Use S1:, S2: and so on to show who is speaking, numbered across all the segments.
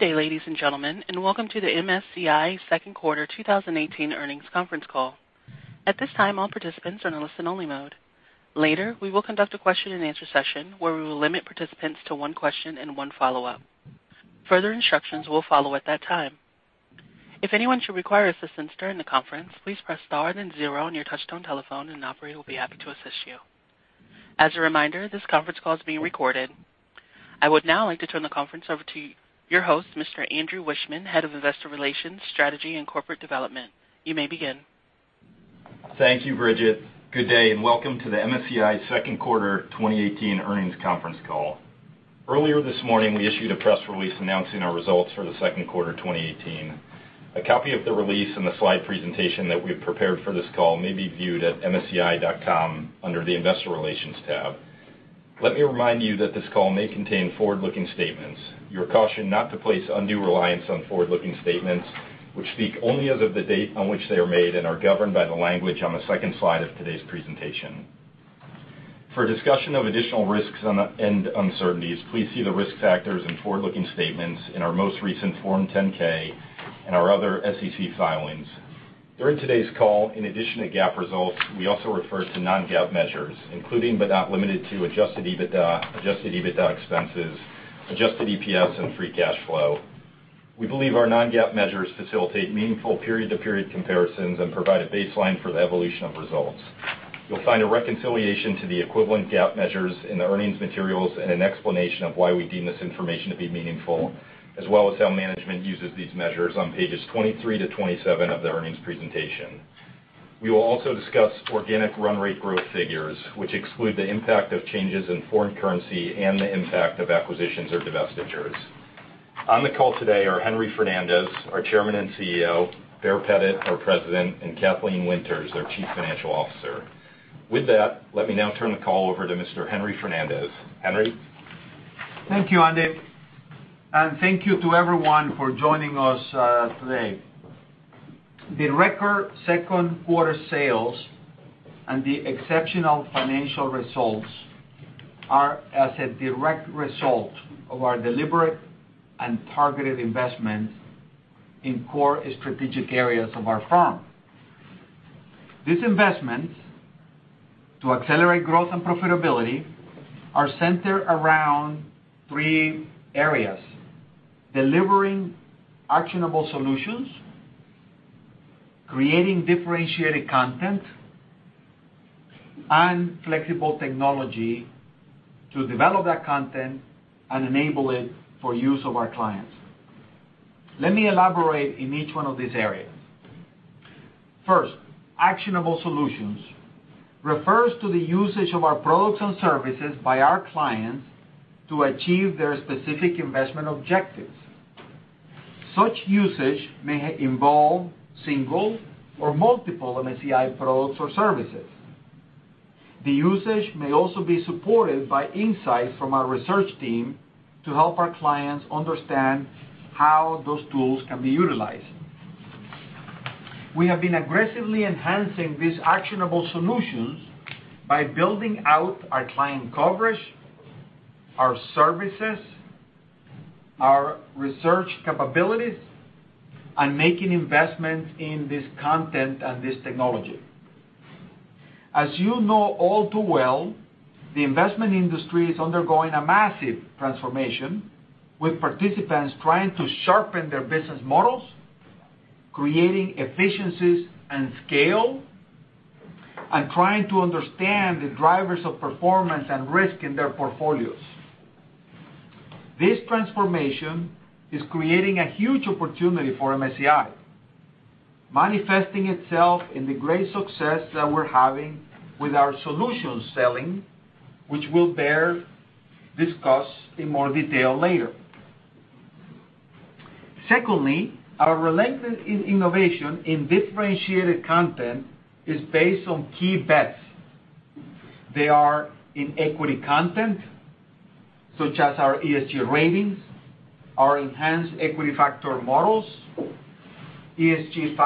S1: Good day, ladies and gentlemen, welcome to the MSCI second quarter 2018 earnings conference call. At this time, all participants are in listen only mode. Later, we will conduct a question and answer session where we will limit participants to one question and one follow-up. Further instructions will follow at that time. If anyone should require assistance during the conference, please press star and zero on your touchtone telephone and an operator will be happy to assist you. As a reminder, this conference call is being recorded. I would now like to turn the conference over to your host, Mr. Andrew Wiechmann, Head of Investor Relations, Strategy and Corporate Development. You may begin.
S2: Thank you, Bridget. Good day, welcome to the MSCI second quarter 2018 earnings conference call. Earlier this morning, we issued a press release announcing our results for the second quarter 2018. A copy of the release and the slide presentation that we have prepared for this call may be viewed at msci.com under the investor relations tab. Let me remind you that this call may contain forward-looking statements. You are cautioned not to place undue reliance on forward-looking statements which speak only as of the date on which they are made and are governed by the language on the second slide of today's presentation. For a discussion of additional risks and uncertainties, please see the risk factors and forward-looking statements in our most recent Form 10-K and our other SEC filings. During today's call, in addition to GAAP results, we also refer to non-GAAP measures, including but not limited to adjusted EBITDA, adjusted EBITDA expenses, adjusted EPS and free cash flow. We believe our non-GAAP measures facilitate meaningful period-to-period comparisons and provide a baseline for the evolution of results. You'll find a reconciliation to the equivalent GAAP measures in the earnings materials and an explanation of why we deem this information to be meaningful, as well as how management uses these measures on pages 23 to 27 of the earnings presentation. We will also discuss organic run rate growth figures, which exclude the impact of changes in foreign currency and the impact of acquisitions or divestitures. On the call today are Henry Fernandez, our Chairman and CEO, Baer Pettit, our President, and Kathleen Winters, our Chief Financial Officer. With that, let me now turn the call over to Mr. Henry Fernandez. Henry?
S3: Thank you, Andy, Thank you to everyone for joining us today. The record second-quarter sales and the exceptional financial results are as a direct result of our deliberate and targeted investment in core strategic areas of our firm. These investments to accelerate growth and profitability are centered around three areas, delivering actionable solutions, creating differentiated content, and flexible technology to develop that content and enable it for use of our clients. Let me elaborate in each one of these areas. First, actionable solutions refers to the usage of our products and services by our clients to achieve their specific investment objectives. Such usage may involve single or multiple MSCI products or services. The usage may also be supported by insights from our research team to help our clients understand how those tools can be utilized. We have been aggressively enhancing these actionable solutions by building out our client coverage, our services, our research capabilities, and making investments in this content and this technology. As you know all too well, the investment industry is undergoing a massive transformation, with participants trying to sharpen their business models, creating efficiencies and scale, and trying to understand the drivers of performance and risk in their portfolios. This transformation is creating a huge opportunity for MSCI, manifesting itself in the great success that we're having with our solutions selling, which Baer discuss in more detail later. Secondly, our relentless innovation in differentiated content is based on key bets. They are in equity content, such as our ESG ratings, our enhanced equity factor models, ESG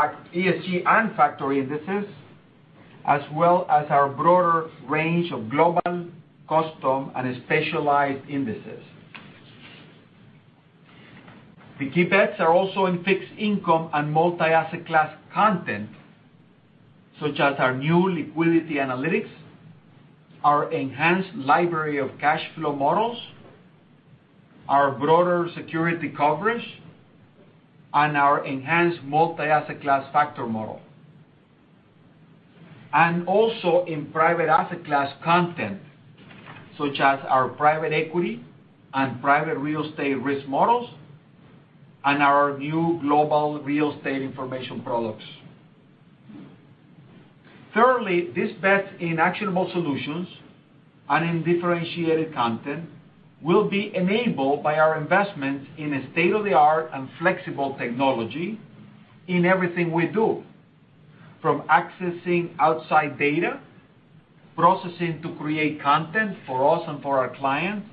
S3: and factor indices, as well as our broader range of global, custom, and specialized indices. The key bets are also in fixed income and multi-asset class content, such as our new liquidity analytics, our enhanced library of cash flow models, our broader security coverage, and our enhanced multi-asset class factor model. Also in private asset class content, such as our private equity and private real estate risk models and our new global real estate information products. Thirdly, this bet in actionable solutions and in differentiated content will be enabled by our investment in a state-of-the-art and flexible technology in everything we do, from accessing outside data, processing to create content for us and for our clients,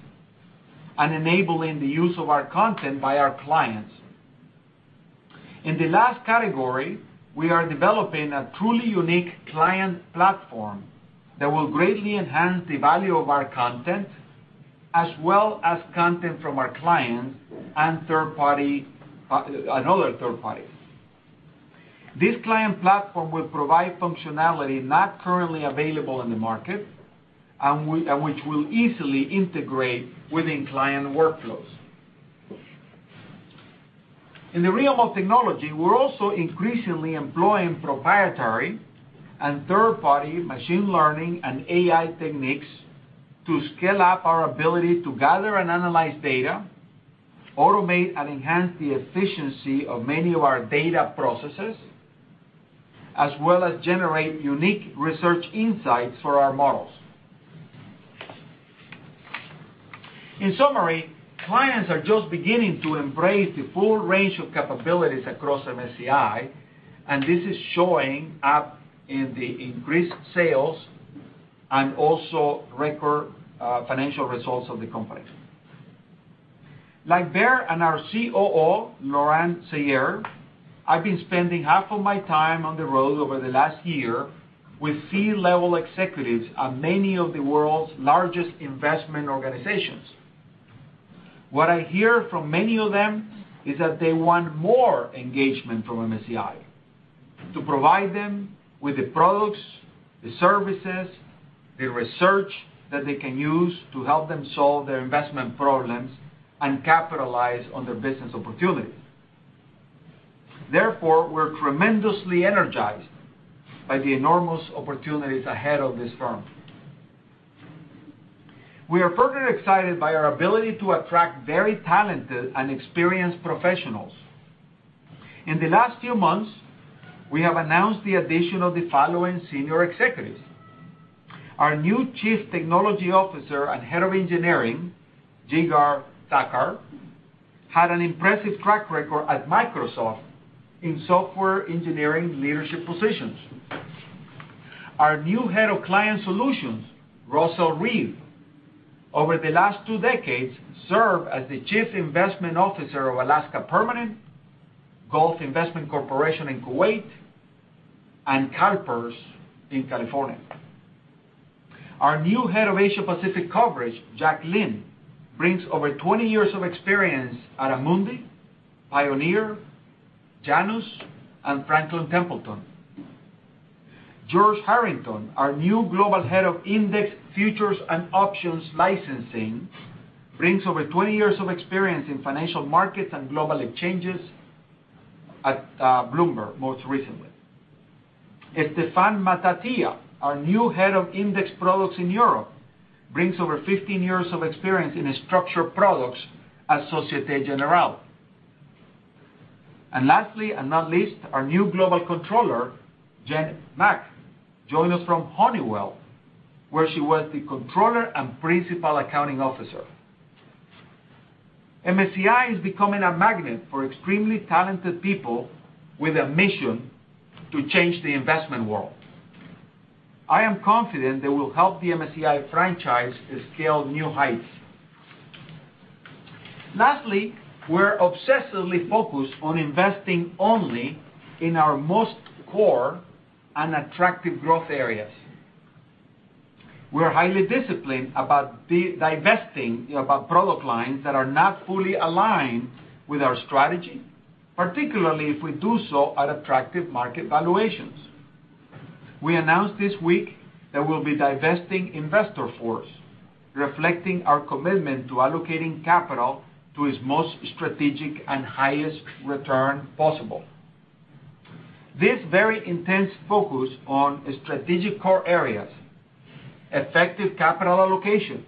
S3: and enabling the use of our content by our clients. In the last category, we are developing a truly unique client platform that will greatly enhance the value of our content, as well as content from our clients and other third parties. This client platform will provide functionality not currently available in the market, and which will easily integrate within client workflows. In the realm of technology, we're also increasingly employing proprietary and third-party machine learning and AI techniques to scale up our ability to gather and analyze data, automate and enhance the efficiency of many of our data processes, as well as generate unique research insights for our models. In summary, clients are just beginning to embrace the full range of capabilities across MSCI, and this is showing up in the increased sales and also record financial results of the company. Like Baer and our COO, Laurent Seyer, I've been spending half of my time on the road over the last year with C-level executives at many of the world's largest investment organizations. What I hear from many of them is that they want more engagement from MSCI to provide them with the products, the services, the research that they can use to help them solve their investment problems and capitalize on their business opportunities. Therefore, we're tremendously energized by the enormous opportunities ahead of this firm. We are further excited by our ability to attract very talented and experienced professionals. In the last few months, we have announced the addition of the following senior executives. Our new Chief Technology Officer and Head of Engineering, Jigar Thakkar, had an impressive track record at Microsoft in software engineering leadership positions. Our new Head of Client Solutions, Russell Read, over the last two decades, served as the Chief Investment Officer of Alaska Permanent, Gulf Investment Corporation in Kuwait, and CalPERS in California. Our new Head of Asia Pacific coverage, Jack Lin, brings over 20 years of experience at Amundi, Pioneer, Janus, and Franklin Templeton. George Harrington, our new Global Head of Index, Futures, and Options Licensing, brings over 20 years of experience in financial markets and global exchanges at Bloomberg, most recently. Stephane Matatia, our new Head of Index Products in Europe, brings over 15 years of experience in structured products at Societe Generale. Lastly, and not least, our new Global Controller, Janet Mack, joins us from Honeywell, where she was the Controller and Principal Accounting Officer. MSCI is becoming a magnet for extremely talented people with a mission to change the investment world. I am confident they will help the MSCI franchise scale new heights. Lastly, we're obsessively focused on investing only in our most core and attractive growth areas. We're highly disciplined about divesting about product lines that are not fully aligned with our strategy, particularly if we do so at attractive market valuations. We announced this week that we'll be divesting InvestorForce, reflecting our commitment to allocating capital to its most strategic and highest return possible. This very intense focus on strategic core areas, effective capital allocation,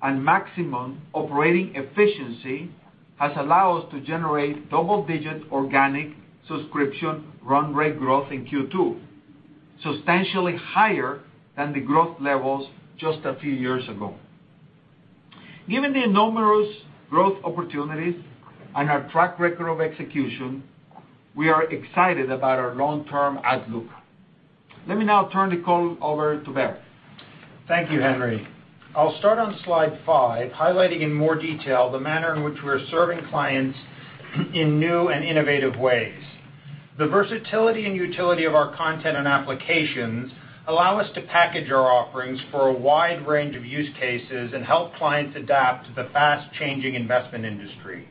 S3: and maximum operating efficiency has allowed us to generate double-digit organic subscription run rate growth in Q2, substantially higher than the growth levels just a few years ago. Given the enormous growth opportunities and our track record of execution, we are excited about our long-term outlook. Let me now turn the call over to Baer.
S4: Thank you, Henry. I'll start on slide five, highlighting in more detail the manner in which we're serving clients in new and innovative ways. The versatility and utility of our content and applications allow us to package our offerings for a wide range of use cases and help clients adapt to the fast-changing investment industry.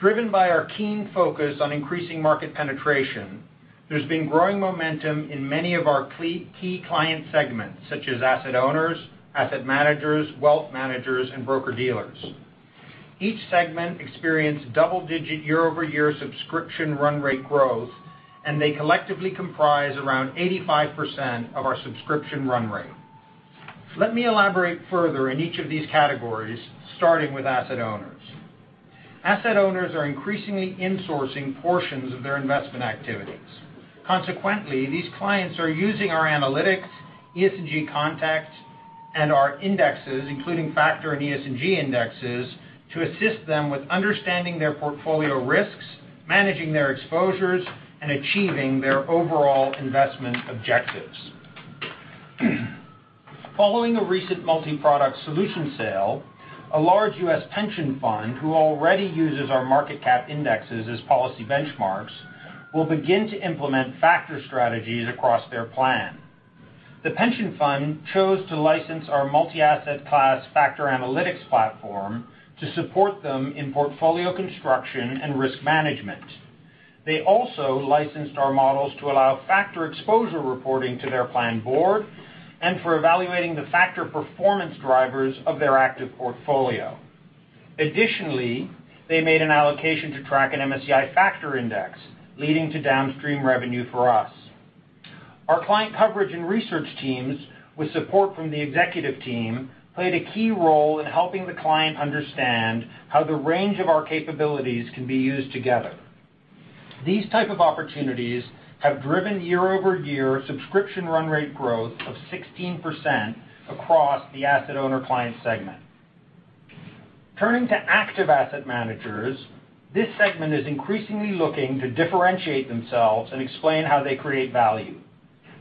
S4: Driven by our keen focus on increasing market penetration, there's been growing momentum in many of our key client segments, such as asset owners, asset managers, wealth managers, and broker-dealers. Each segment experienced double-digit year-over-year subscription run rate growth, and they collectively comprise around 85% of our subscription run rate. Let me elaborate further in each of these categories, starting with asset owners. Asset owners are increasingly insourcing portions of their investment activities. Consequently, these clients are using our analytics, ESG content, and our indexes, including factor and ESG indexes, to assist them with understanding their portfolio risks, managing their exposures, and achieving their overall investment objectives. Following a recent multi-product solution sale, a large U.S. pension fund who already uses our market cap indexes as policy benchmarks, will begin to implement factor strategies across their plan. The pension fund chose to license our multi-asset class factor analytics platform to support them in portfolio construction and risk management. They also licensed our models to allow factor exposure reporting to their plan board and for evaluating the factor performance drivers of their active portfolio. Additionally, they made an allocation to track an MSCI factor index, leading to downstream revenue for us. Our client coverage and research teams, with support from the executive team, played a key role in helping the client understand how the range of our capabilities can be used together. These type of opportunities have driven year-over-year subscription run rate growth of 16% across the asset owner client segment. Turning to active asset managers, this segment is increasingly looking to differentiate themselves and explain how they create value.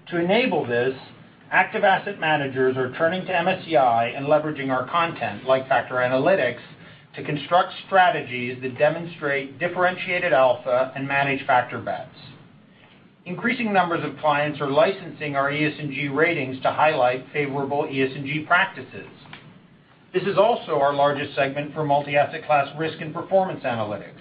S4: To enable this, active asset managers are turning to MSCI and leveraging our content, like factor analytics, to construct strategies that demonstrate differentiated alpha and manage factor bets. Increasing numbers of clients are licensing our ESG ratings to highlight favorable ESG practices. This is also our largest segment for multi-asset class risk and performance analytics.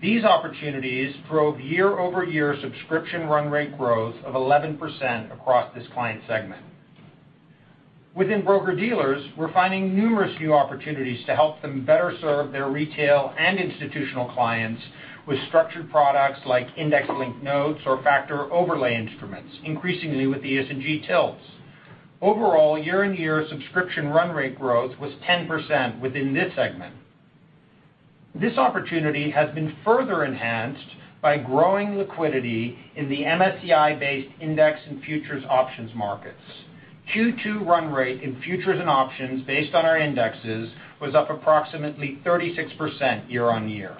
S4: These opportunities drove year-over-year subscription run rate growth of 11% across this client segment. Within broker-dealers, we're finding numerous new opportunities to help them better serve their retail and institutional clients with structured products like index linked notes or factor overlay instruments, increasingly with ESG tilts. Overall, year-on-year subscription run rate growth was 10% within this segment. This opportunity has been further enhanced by growing liquidity in the MSCI-based index and futures options markets. Q2 run rate in futures and options based on our indexes was up approximately 36% year-on-year.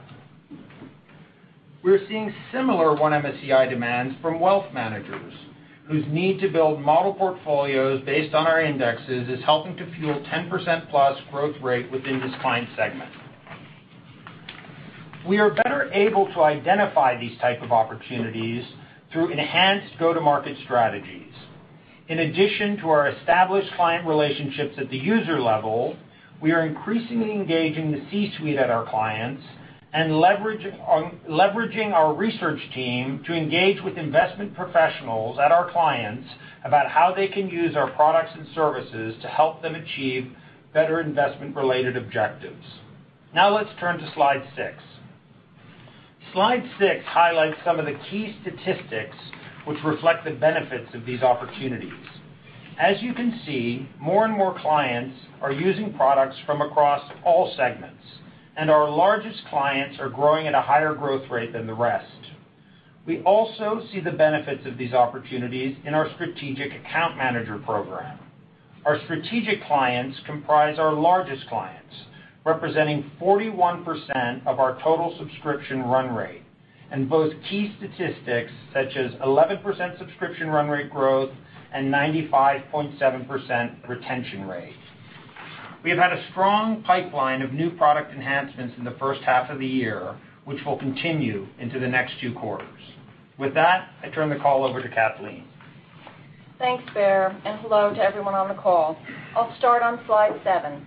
S4: We're seeing similar MSCI demands from wealth managers, whose need to build model portfolios based on our indexes is helping to fuel 10%-plus growth rate within this client segment. We are better able to identify these type of opportunities through enhanced go-to-market strategies. In addition to our established client relationships at the user level, we are increasingly engaging the C-suite at our clients and leveraging our research team to engage with investment professionals at our clients about how they can use our products and services to help them achieve better investment-related objectives. Let's turn to slide six. Slide six highlights some of the key statistics which reflect the benefits of these opportunities. As you can see, more and more clients are using products from across all segments, and our largest clients are growing at a higher growth rate than the rest. We also see the benefits of these opportunities in our strategic account manager program. Our strategic clients comprise our largest clients, representing 41% of our total subscription run rate, and boast key statistics such as 11% subscription run rate growth and 95.7% retention rate. We have had a strong pipeline of new product enhancements in the first half of the year, which will continue into the next two quarters. With that, I turn the call over to Kathleen.
S5: Thanks, Baer, and hello to everyone on the call. I'll start on slide seven.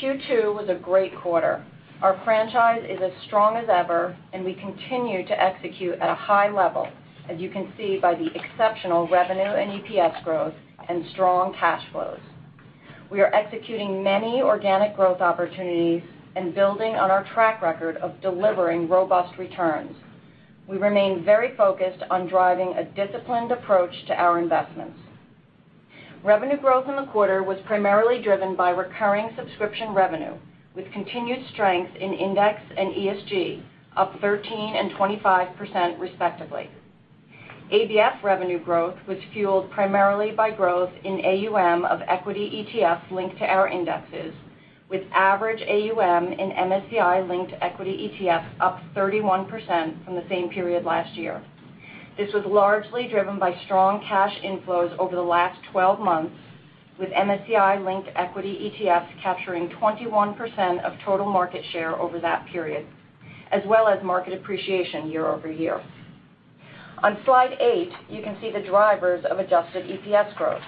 S5: Q2 was a great quarter. Our franchise is as strong as ever, and we continue to execute at a high level, as you can see by the exceptional revenue and EPS growth and strong cash flows. We are executing many organic growth opportunities and building on our track record of delivering robust returns. We remain very focused on driving a disciplined approach to our investments. Revenue growth in the quarter was primarily driven by recurring subscription revenue, with continued strength in Index and ESG, up 13% and 25%, respectively. ABF revenue growth was fueled primarily by growth in AUM of equity ETF linked to our indexes, with average AUM in MSCI-linked equity ETF up 31% from the same period last year. This was largely driven by strong cash inflows over the last 12 months, with MSCI-linked equity ETFs capturing 21% of total market share over that period, as well as market appreciation year-over-year. On slide eight, you can see the drivers of adjusted EPS growth.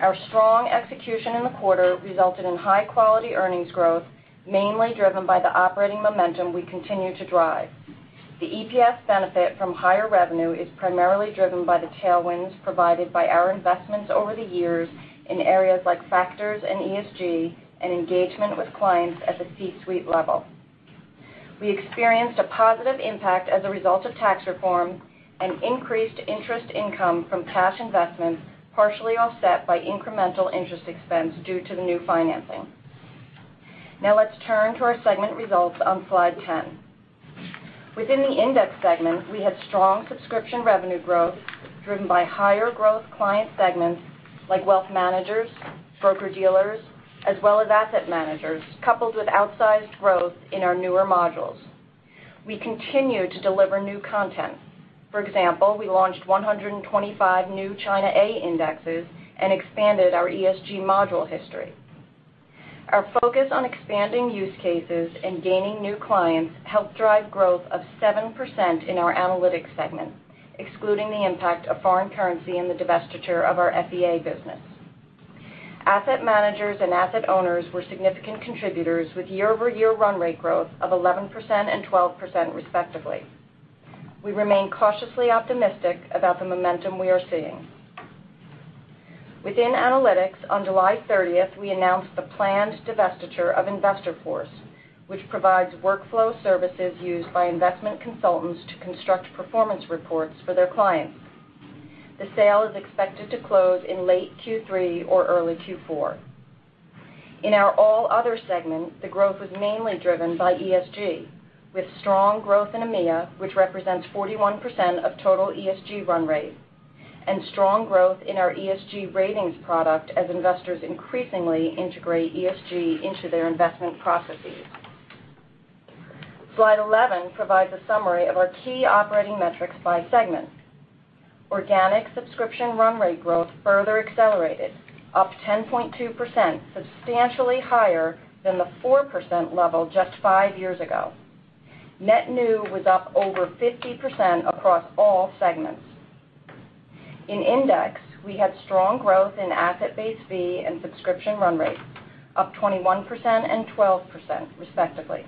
S5: Our strong execution in the quarter resulted in high-quality earnings growth, mainly driven by the operating momentum we continue to drive. The EPS benefit from higher revenue is primarily driven by the tailwinds provided by our investments over the years in areas like factors in ESG and engagement with clients at the C-suite level. We experienced a positive impact as a result of tax reform and increased interest income from cash investments, partially offset by incremental interest expense due to the new financing. Let's turn to our segment results on slide 10. Within the Index segment, we had strong subscription revenue growth driven by higher growth client segments like wealth managers, broker-dealers, as well as asset managers, coupled with outsized growth in our newer modules. We continue to deliver new content. For example, we launched 125 new China A indexes and expanded our ESG module history. Our focus on expanding use cases and gaining new clients helped drive growth of 7% in our Analytics segment, excluding the impact of foreign currency and the divestiture of our FEA business. Asset managers and asset owners were significant contributors, with year-over-year run rate growth of 11% and 12%, respectively. We remain cautiously optimistic about the momentum we are seeing. Within Analytics, on July 30th, we announced the planned divestiture of InvestorForce, which provides workflow services used by investment consultants to construct performance reports for their clients. The sale is expected to close in late Q3 or early Q4. In our All Other segment, the growth was mainly driven by ESG, with strong growth in EMEA, which represents 41% of total ESG run rate, and strong growth in our ESG ratings product as investors increasingly integrate ESG into their investment processes. Slide 11 provides a summary of our key operating metrics by segment. Organic subscription run rate growth further accelerated, up 10.2%, substantially higher than the 4% level just five years ago. Net new was up over 50% across all segments. In Index, we had strong growth in asset-based fee and subscription run rate, up 21% and 12%, respectively.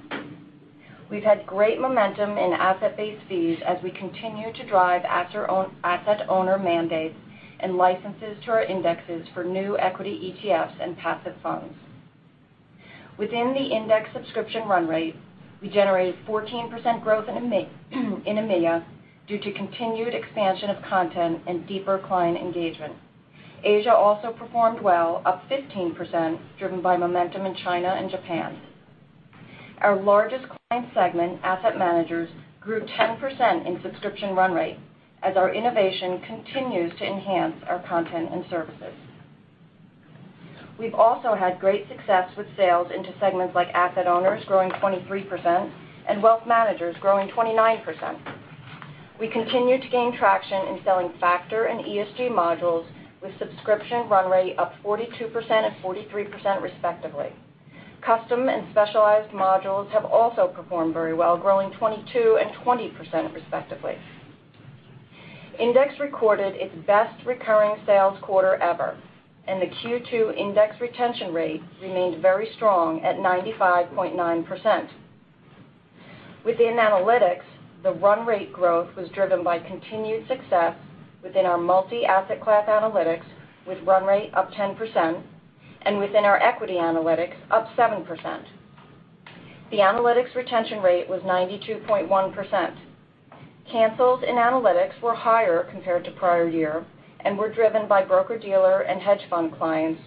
S5: We've had great momentum in asset-based fees as we continue to drive asset owner mandates and licenses to our indexes for new equity ETFs and passive funds. Within the Index subscription run rate, we generated 14% growth in EMEA due to continued expansion of content and deeper client engagement. Asia also performed well, up 15%, driven by momentum in China and Japan. Our largest client segment, asset managers, grew 10% in subscription run rate as our innovation continues to enhance our content and services. We've also had great success with sales into segments like asset owners, growing 23%, and wealth managers, growing 29%. We continue to gain traction in selling factor and ESG modules with subscription run rate up 42% and 43%, respectively. Custom and specialized modules have also performed very well, growing 22% and 20%, respectively. Index recorded its best recurring sales quarter ever, and the Q2 Index retention rate remained very strong at 95.9%. Within analytics, the run rate growth was driven by continued success within our multi-asset class analytics, with run rate up 10%, and within our equity analytics, up 7%. The analytics retention rate was 92.1%. Cancels in analytics were higher compared to prior year and were driven by broker-dealer and hedge fund clients,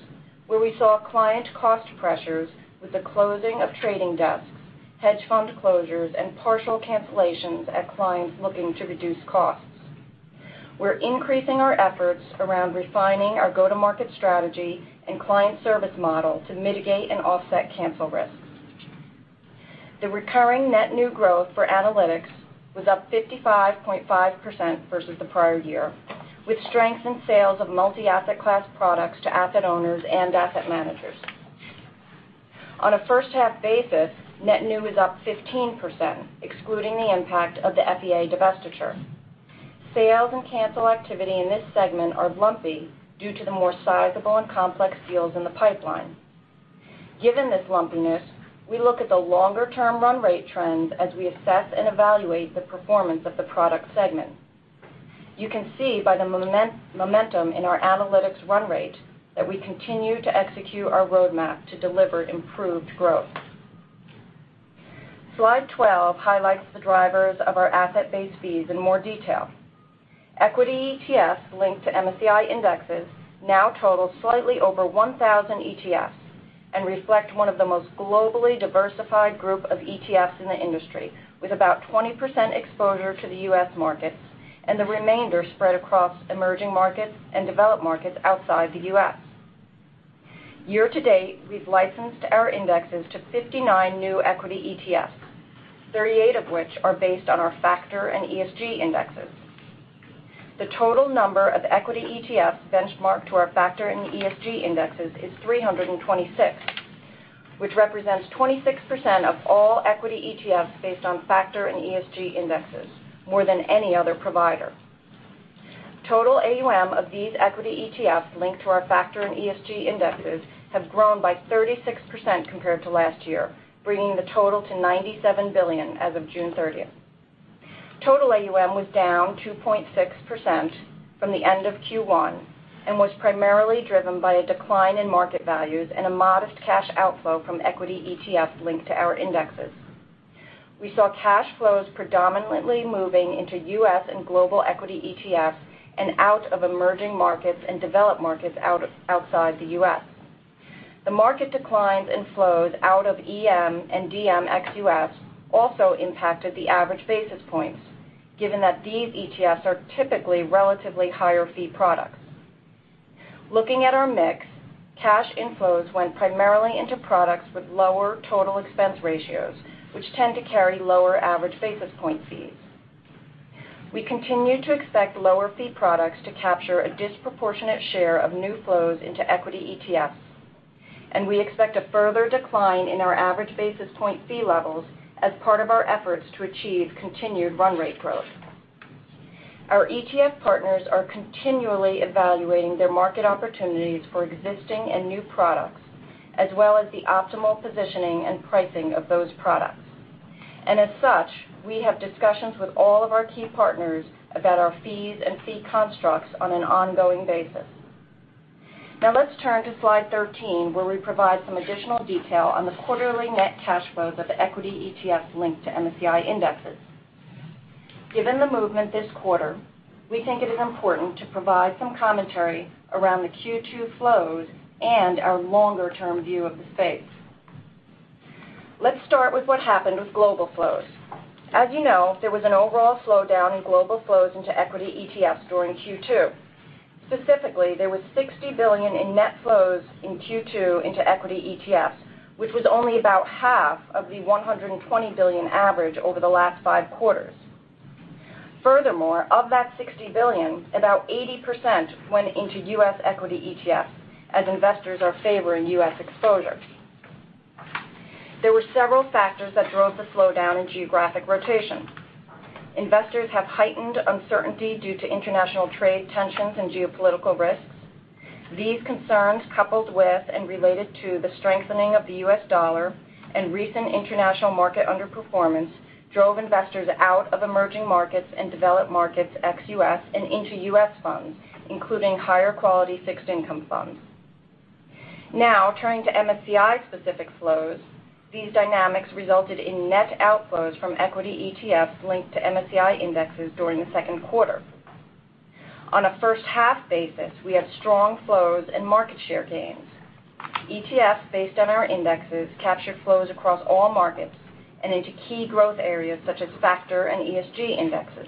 S5: where we saw client cost pressures with the closing of trading desks, hedge fund closures, and partial cancellations at clients looking to reduce costs. We're increasing our efforts around refining our go-to-market strategy and client service model to mitigate and offset cancel risks. The recurring net new growth for analytics was up 55.5% versus the prior year, with strength in sales of multi-asset class products to asset owners and asset managers. On a first-half basis, net new is up 15%, excluding the impact of the FEA divestiture. Sales and cancel activity in this segment are lumpy due to the more sizable and complex deals in the pipeline. Given this lumpiness, we look at the longer-term run rate trends as we assess and evaluate the performance of the product segment. You can see by the momentum in our analytics run rate that we continue to execute our roadmap to deliver improved growth. Slide 12 highlights the drivers of our asset-based fees in more detail. Equity ETFs linked to MSCI indexes now total slightly over 1,000 ETFs and reflect one of the most globally diversified group of ETFs in the industry, with about 20% exposure to the U.S. market and the remainder spread across emerging markets and developed markets outside the U.S. Year to date, we've licensed our indexes to 59 new equity ETFs, 38 of which are based on our factor and ESG indexes. The total number of equity ETFs benchmarked to our factor and ESG indexes is 326, which represents 26% of all equity ETFs based on factor and ESG indexes, more than any other provider. Total AUM of these equity ETFs linked to our factor and ESG indexes have grown by 36% compared to last year, bringing the total to $97 billion as of June 30th. Total AUM was down 2.6% from the end of Q1 and was primarily driven by a decline in market values and a modest cash outflow from equity ETFs linked to our indexes. We saw cash flows predominantly moving into U.S. and global equity ETFs and out of emerging markets and developed markets outside the U.S. The market declines in flows out of EM and DM ex-U.S. also impacted the average basis points, given that these ETFs are typically relatively higher fee products. Looking at our mix, cash inflows went primarily into products with lower total expense ratios, which tend to carry lower average basis point fees. We continue to expect lower fee products to capture a disproportionate share of new flows into equity ETFs, and we expect a further decline in our average basis point fee levels as part of our efforts to achieve continued run rate growth. Our ETF partners are continually evaluating their market opportunities for existing and new products, as well as the optimal positioning and pricing of those products. As such, we have discussions with all of our key partners about our fees and fee constructs on an ongoing basis. Let's turn to slide 13, where we provide some additional detail on the quarterly net cash flows of equity ETFs linked to MSCI indexes. Given the movement this quarter, we think it is important to provide some commentary around the Q2 flows and our longer-term view of the space. Let's start with what happened with global flows. As you know, there was an overall slowdown in global flows into equity ETFs during Q2. Specifically, there was $60 billion in net flows in Q2 into equity ETFs, which was only about half of the $120 billion average over the last five quarters. Furthermore, of that $60 billion, about 80% went into U.S. equity ETFs, as investors are favoring U.S. exposure. There were several factors that drove the slowdown in geographic rotation. Investors have heightened uncertainty due to international trade tensions and geopolitical risks. These concerns, coupled with and related to the strengthening of the U.S. dollar and recent international market underperformance, drove investors out of emerging markets and developed markets ex-U.S. and into U.S. funds, including higher quality fixed income funds. Turning to MSCI-specific flows, these dynamics resulted in net outflows from equity ETFs linked to MSCI indexes during the second quarter. On a first-half basis, we had strong flows and market share gains. ETFs based on our indexes captured flows across all markets and into key growth areas such as factor and ESG indexes.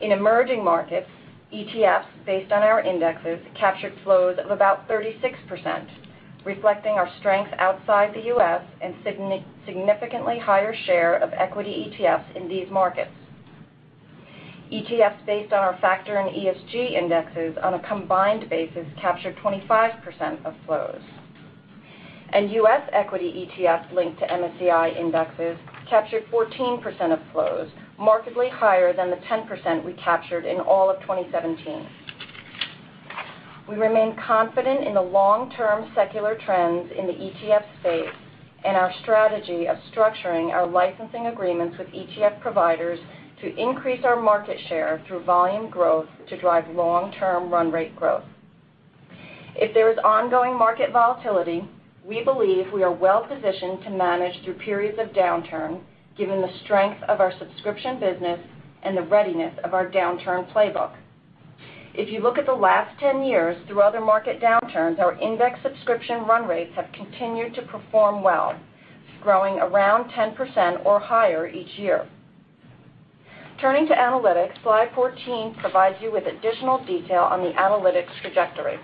S5: In emerging markets, ETFs based on our indexes captured flows of about 36%, reflecting our strength outside the U.S. and significantly higher share of equity ETFs in these markets. ETFs based on our factor and ESG indexes on a combined basis captured 25% of flows. U.S. equity ETFs linked to MSCI indexes captured 14% of flows, markedly higher than the 10% we captured in all of 2017. We remain confident in the long-term secular trends in the ETF space and our strategy of structuring our licensing agreements with ETF providers to increase our market share through volume growth to drive long-term run rate growth. If there is ongoing market volatility, we believe we are well-positioned to manage through periods of downturn, given the strength of our subscription business and the readiness of our downturn playbook. If you look at the last 10 years, through other market downturns, our index subscription run rates have continued to perform well, growing around 10% or higher each year. Turning to analytics, slide 14 provides you with additional detail on the analytics trajectory.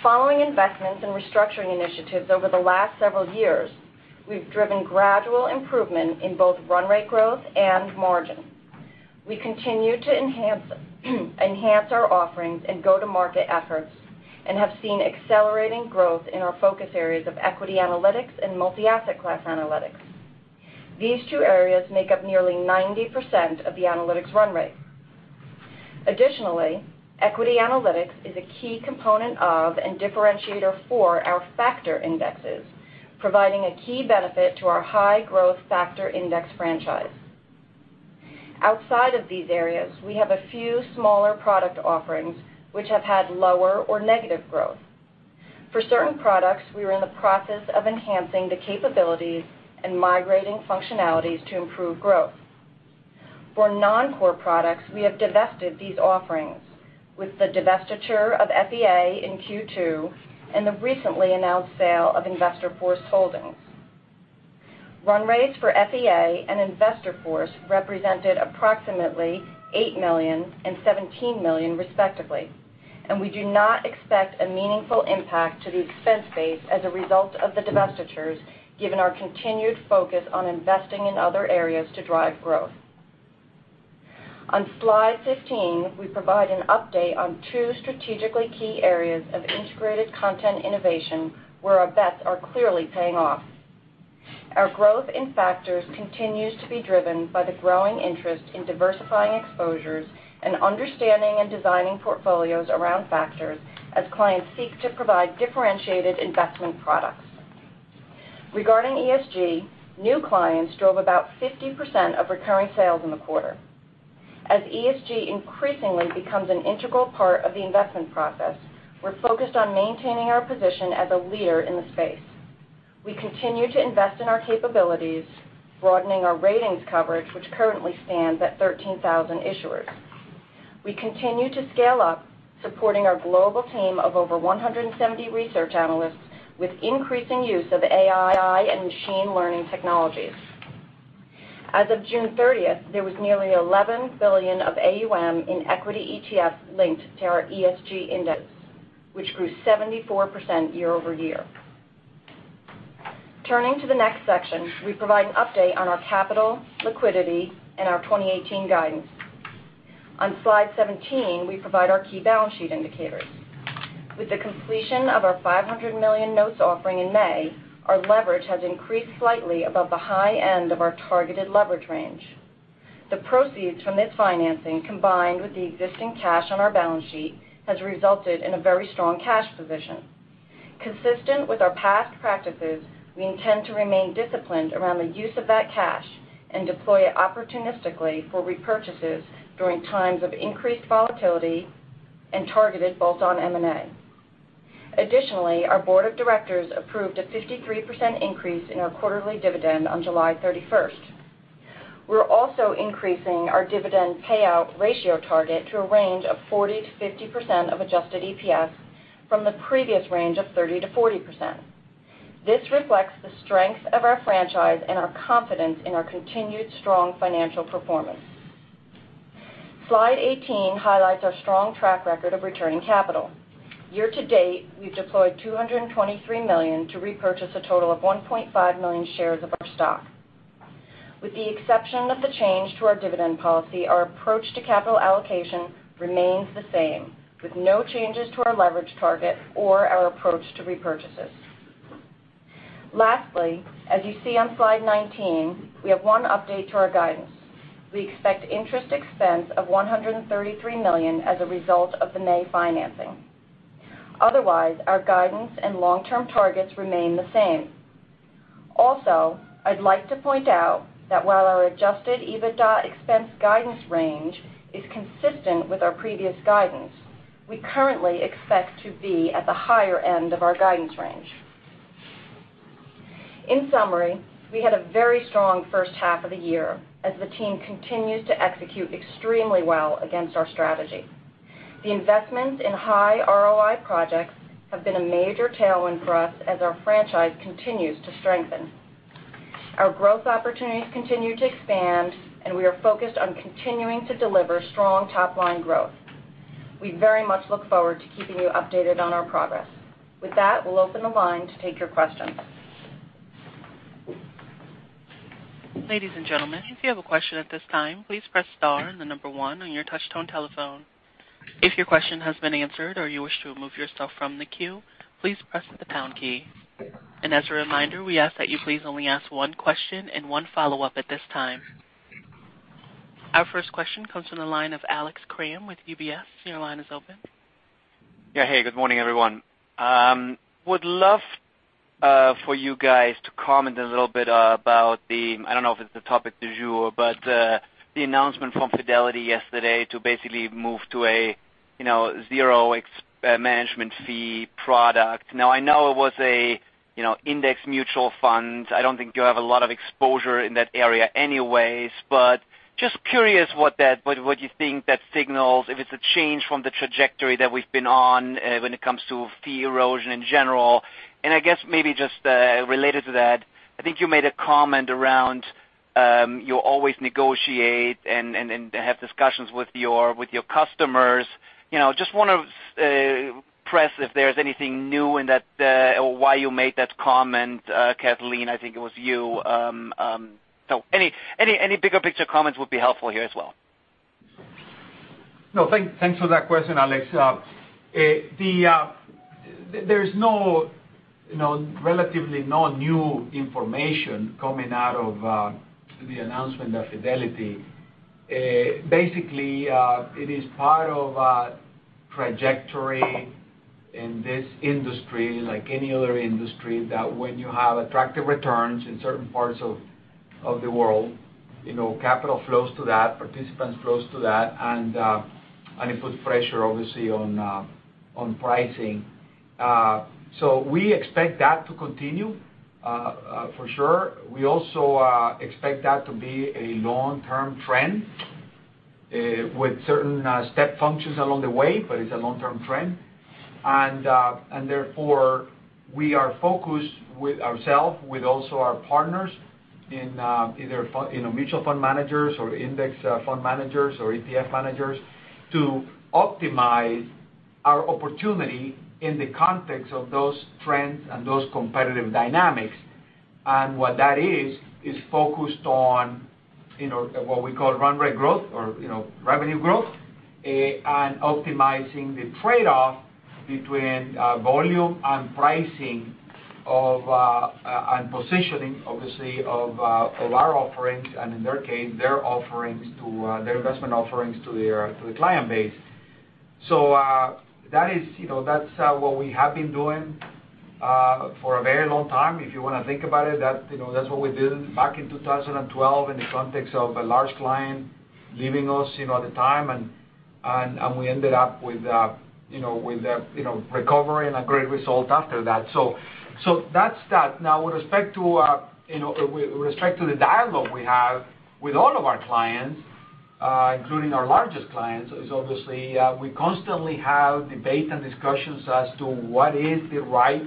S5: Following investments in restructuring initiatives over the last several years, we've driven gradual improvement in both run rate growth and margin. We continue to enhance our offerings and go-to-market efforts and have seen accelerating growth in our focus areas of equity analytics and multi-asset class analytics. These two areas make up nearly 90% of the analytics run rate. Additionally, equity analytics is a key component of and differentiator for our factor indexes, providing a key benefit to our high-growth factor index franchise. Outside of these areas, we have a few smaller product offerings, which have had lower or negative growth. For certain products, we are in the process of enhancing the capabilities and migrating functionalities to improve growth. For non-core products, we have divested these offerings with the divestiture of FEA in Q2 and the recently announced sale of InvestorForce Holdings. Run rates for FEA and InvestorForce represented approximately $8 million and $17 million respectively. We do not expect a meaningful impact to the expense base as a result of the divestitures, given our continued focus on investing in other areas to drive growth. On slide 15, we provide an update on two strategically key areas of integrated content innovation where our bets are clearly paying off. Our growth in factors continues to be driven by the growing interest in diversifying exposures and understanding and designing portfolios around factors as clients seek to provide differentiated investment products. Regarding ESG, new clients drove about 50% of recurring sales in the quarter. As ESG increasingly becomes an integral part of the investment process, we're focused on maintaining our position as a leader in the space. We continue to invest in our capabilities, broadening our ratings coverage, which currently stands at 13,000 issuers. We continue to scale up, supporting our global team of over 170 research analysts with increasing use of AI and machine learning technologies. As of June 30th, there was nearly $11 billion of AUM in equity ETF linked to our ESG index, which grew 74% year-over-year. Turning to the next section, we provide an update on our capital liquidity and our 2018 guidance. On slide 17, we provide our key balance sheet indicators. With the completion of our $500 million notes offering in May, our leverage has increased slightly above the high end of our targeted leverage range. The proceeds from this financing, combined with the existing cash on our balance sheet, has resulted in a very strong cash position. Consistent with our past practices, we intend to remain disciplined around the use of that cash and deploy it opportunistically for repurchases during times of increased volatility and targeted both on M&A. Additionally, our board of directors approved a 53% increase in our quarterly dividend on July 31st. We're also increasing our dividend payout ratio target to a range of 40%-50% of adjusted EPS from the previous range of 30%-40%. This reflects the strength of our franchise and our confidence in our continued strong financial performance. Slide 18 highlights our strong track record of returning capital. Year-to-date, we've deployed $223 million to repurchase a total of 1.5 million shares of our stock. With the exception of the change to our dividend policy, our approach to capital allocation remains the same, with no changes to our leverage target or our approach to repurchases. Lastly, as you see on slide 19, we have one update to our guidance. We expect interest expense of $133 million as a result of the May financing. Otherwise, our guidance and long-term targets remain the same. Also, I'd like to point out that while our adjusted EBITDA expense guidance range is consistent with our previous guidance, we currently expect to be at the higher end of our guidance range. In summary, we had a very strong first half of the year as the team continues to execute extremely well against our strategy. The investments in high ROI projects have been a major tailwind for us as our franchise continues to strengthen. Our growth opportunities continue to expand, and we are focused on continuing to deliver strong top-line growth. We very much look forward to keeping you updated on our progress. With that, we'll open the line to take your questions.
S1: Ladies and gentlemen, if you have a question at this time, please press star and the number 1 on your touch-tone telephone. If your question has been answered or you wish to remove yourself from the queue, please press the pound key. As a reminder, we ask that you please only ask one question and one follow-up at this time. Our first question comes from the line of Alex Kramm with UBS. Your line is open.
S6: Yeah. Hey, good morning, everyone. Would love for you guys to comment a little bit about the, I don't know if it's the topic du jour, but the announcement from Fidelity yesterday to basically move to a zero management fee product. I know it was a index mutual fund. I don't think you have a lot of exposure in that area anyways, but just curious what you think that signals, if it's a change from the trajectory that we've been on when it comes to fee erosion in general. I guess maybe just related to that, I think you made a comment around you always negotiate and have discussions with your customers. Just want to press if there's anything new in that or why you made that comment, Kathleen, I think it was you. Any bigger picture comments would be helpful here as well.
S3: Thanks for that question, Alex. There's relatively no new information coming out of the announcement of Fidelity. It is part of a trajectory in this industry, like any other industry, that when you have attractive returns in certain parts of the world, capital flows to that, participants flow to that, and it puts pressure, obviously, on pricing. We expect that to continue for sure. We also expect that to be a long-term trend with certain step functions along the way, but it's a long-term trend. Therefore, we are focused with ourselves, with also our partners in either mutual fund managers or index fund managers or ETF managers to optimize our opportunity in the context of those trends and those competitive dynamics. What that is focused on what we call run rate growth or revenue growth and optimizing the trade-off between volume and pricing and positioning, obviously, of our offerings, and in their case, their investment offerings to their client base. That's what we have been doing for a very long time. If you want to think about it, that's what we did back in 2012 in the context of a large client leaving us at the time, and we ended up with a recovery and a great result after that. That's that. Now, with respect to the dialogue we have with all of our clients, including our largest clients, is obviously, we constantly have debate and discussions as to what is the right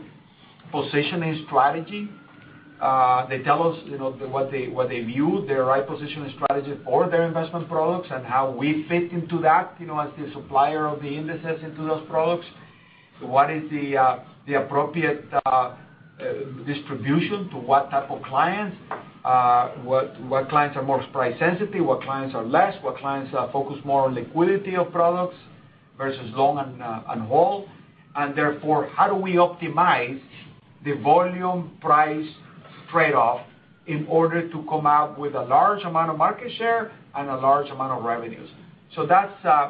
S3: positioning strategy. They tell us what they view their right positioning strategy for their investment products and how we fit into that, as the supplier of the indices into those products. What is the appropriate distribution to what type of clients? What clients are more price sensitive, what clients are less, what clients focus more on liquidity of products versus long and whole. Therefore, how do we optimize the volume-price trade-off in order to come out with a large amount of market share and a large amount of revenues.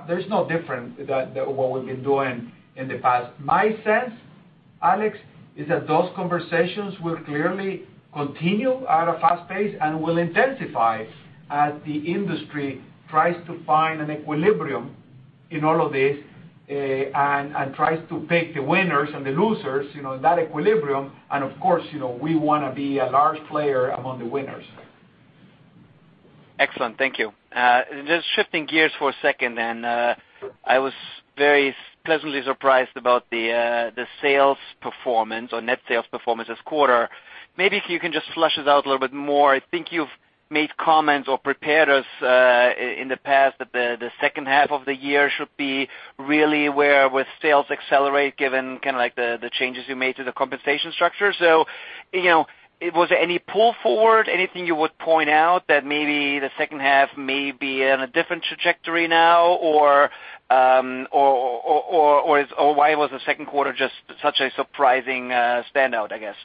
S3: There's no difference what we've been doing in the past. My sense, Alex, is that those conversations will clearly continue at a fast pace and will intensify as the industry tries to find an equilibrium in all of this, and tries to pick the winners and the losers in that equilibrium. Of course, we want to be a large player among the winners.
S6: Excellent. Thank you. Just shifting gears for a second. I was very pleasantly surprised about the sales performance or net sales performance this quarter. Maybe if you can just flesh this out a little bit more. I think you've made comments or prepared us, in the past, that the second half of the year should be really where with sales accelerate, given the changes you made to the compensation structure. Was there any pull forward? Anything you would point out that maybe the second half may be on a different trajectory now? Why was the second quarter just such a surprising standout, I guess?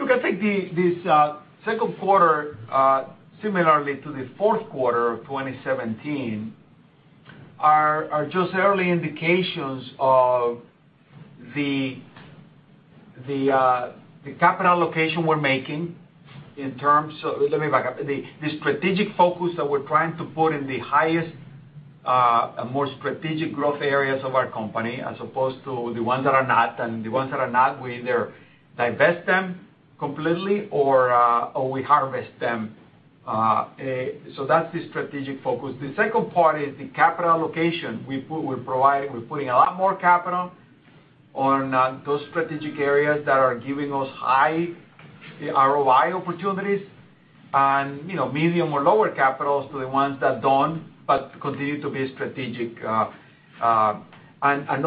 S3: Look, I think this second quarter, similarly to the fourth quarter of 2017, are just early indications of the capital allocation we're making in terms of. The strategic focus that we're trying to put in the highest, more strategic growth areas of our company, as opposed to the ones that are not. The ones that are not, we either divest them completely or we harvest them. That's the strategic focus. The second part is the capital allocation. We're putting a lot more capital on those strategic areas that are giving us high ROI opportunities and medium or lower capitals to the ones that don't, but continue to be strategic.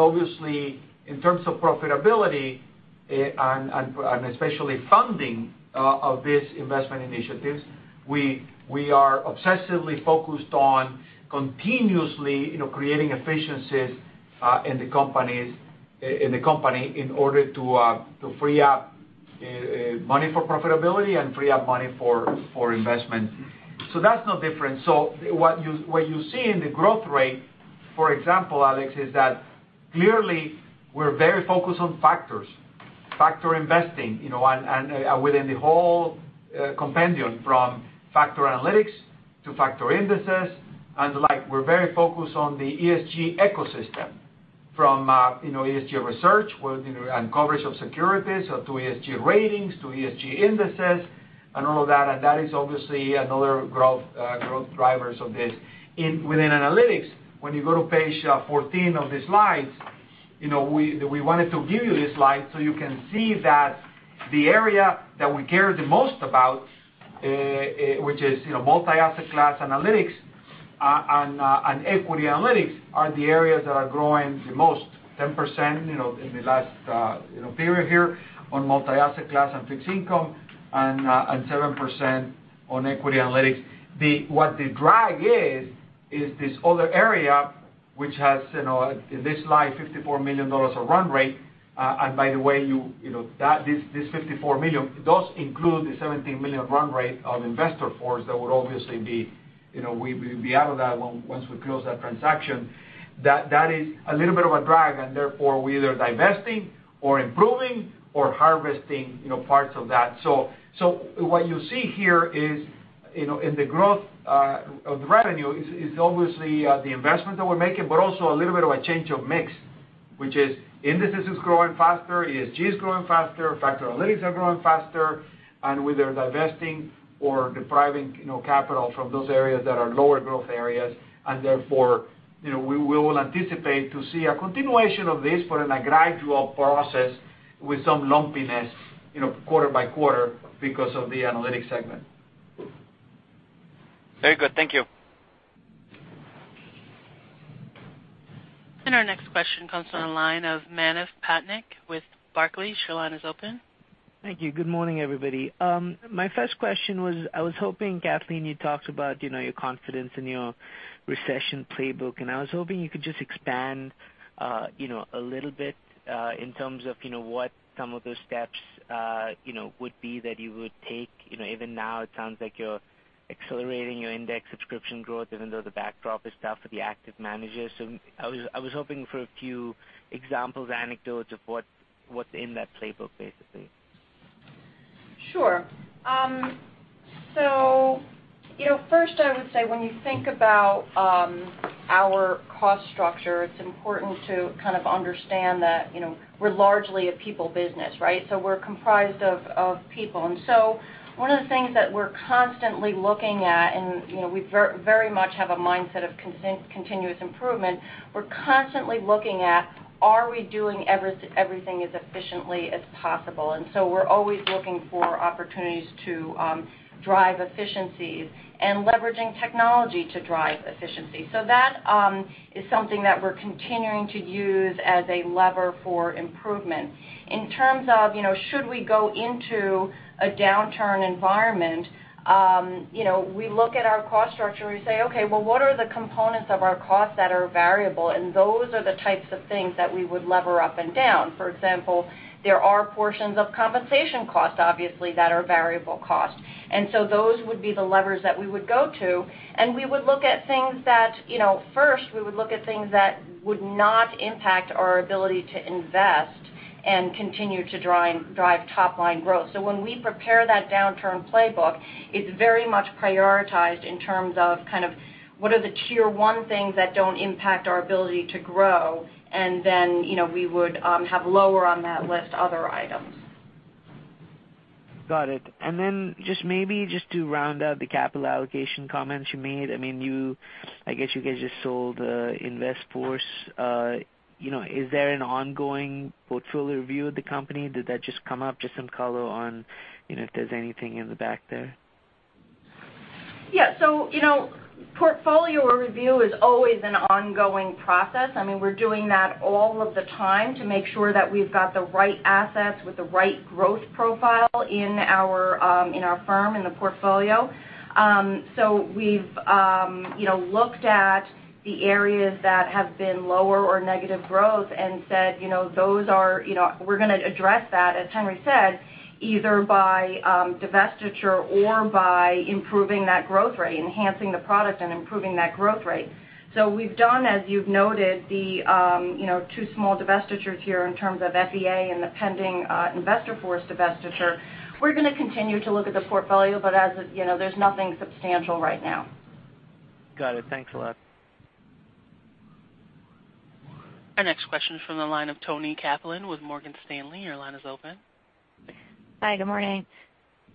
S3: Obviously, in terms of profitability, and especially funding of these investment initiatives, we are obsessively focused on continuously creating efficiencies in the company in order to free up money for profitability and free up money for investment. That's no different. What you see in the growth rate, for example, Alex, is that clearly we're very focused on factors. Factor investing, and within the whole compendium, from factor analytics to factor indices, and the like. We're very focused on the ESG ecosystem. From ESG research and coverage of securities, to ESG ratings, to ESG indices and all of that. That is obviously another growth drivers of this. Within analytics, when you go to page 14 of the slides, we wanted to give you this slide so you can see that the area that we care the most about, which is multi-asset class analytics and equity analytics, are the areas that are growing the most, 10% in the last period here on multi-asset class and fixed income, and 7% on equity analytics. What the drag is this other area, which has, in this slide, $54 million of run rate. By the way, this $54 million, it does include the $17 million run rate of InvestorForce. We'll be out of that once we close that transaction. That is a little bit of a drag, and therefore, we're either divesting or improving or harvesting parts of that. What you see here is, in the growth of the revenue, is obviously the investment that we're making, but also a little bit of a change of mix, which is indices is growing faster, ESG is growing faster, factor analytics are growing faster. We're either divesting or depriving capital from those areas that are lower growth areas. Therefore, we will anticipate to see a continuation of this, but in a gradual process with some lumpiness quarter by quarter because of the analytics segment.
S6: Very good. Thank you.
S1: Our next question comes from the line of Manav Patnaik with Barclays. Your line is open.
S7: Thank you. Good morning, everybody. My first question was, I was hoping, Kathleen, you talked about your confidence in your recession playbook, and I was hoping you could just expand a little bit, in terms of what some of the steps would be that you would take. Even now it sounds like you're accelerating your index subscription growth, even though the backdrop is tough for the active managers. I was hoping for a few examples, anecdotes of what's in that playbook, basically.
S5: Sure. First, I would say when you think about our cost structure, it's important to understand that we're largely a people business, right? We're comprised of people. One of the things that we're constantly looking at, and we very much have a mindset of continuous improvement, we're constantly looking at are we doing everything as efficiently as possible. We're always looking for opportunities to drive efficiencies and leveraging technology to drive efficiency. That is something that we're continuing to use as a lever for improvement. In terms of should we go into a downturn environment, we look at our cost structure, we say, "Okay, well, what are the components of our costs that are variable?" Those are the types of things that we would lever up and down. For example, there are portions of compensation costs, obviously, that are variable costs. Those would be the levers that we would go to. First, we would look at things that would not impact our ability to invest and continue to drive top-line growth. When we prepare that downturn playbook, it's very much prioritized in terms of what are the tier 1 things that don't impact our ability to grow, and then we would have lower on that list other items.
S7: Got it. Just maybe just to round out the capital allocation comments you made, I guess you guys just sold InvestorForce. Is there an ongoing portfolio review of the company? Did that just come up? Just some color on if there's anything in the back there.
S5: Portfolio review is always an ongoing process. We're doing that all of the time to make sure that we've got the right assets with the right growth profile in our firm, in the portfolio. We've looked at the areas that have been lower or negative growth and said, "We're going to address that," as Henry said, either by divestiture or by improving that growth rate, enhancing the product, and improving that growth rate. We've done, as you've noted, the two small divestitures here in terms of FEA and the pending InvestorForce divestiture. We're going to continue to look at the portfolio, but there's nothing substantial right now.
S7: Got it. Thanks a lot.
S1: Our next question is from the line of Toni Kaplan with Morgan Stanley. Your line is open.
S8: Hi, good morning.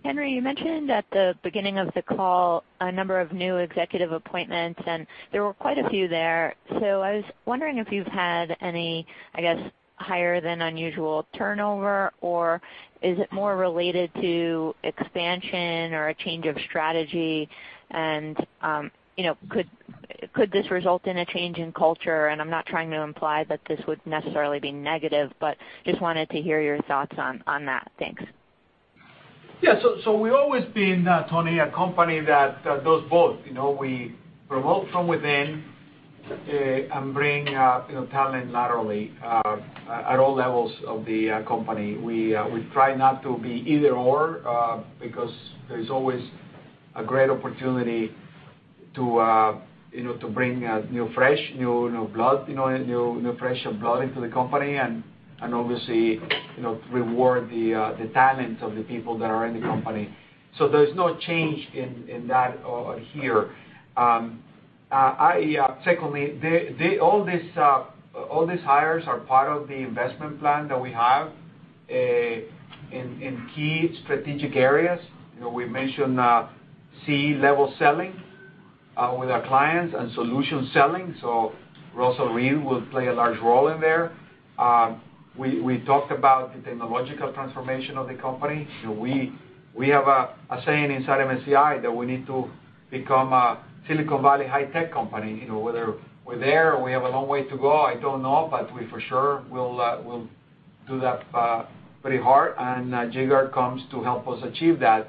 S8: Henry, you mentioned at the beginning of the call a number of new executive appointments, and there were quite a few there. I was wondering if you've had any, I guess, higher than unusual turnover, or is it more related to expansion or a change of strategy? Could this result in a change in culture? I'm not trying to imply that this would necessarily be negative, but just wanted to hear your thoughts on that. Thanks.
S3: We've always been, Toni, a company that does both. We promote from within, bring talent laterally, at all levels of the company. We try not to be either/or, because there's always a great opportunity to bring new fresh blood into the company and obviously, reward the talent of the people that are in the company. There's no change in that here. Secondly, all these hires are part of the investment plan that we have in key strategic areas. We mentioned C-level selling with our clients and solution selling, Russell Read will play a large role in there. We talked about the technological transformation of the company. We have a saying inside MSCI that we need to become a Silicon Valley high-tech company. Whether we're there or we have a long way to go, I don't know, but we for sure will do that pretty hard. J. Garde comes to help us achieve that.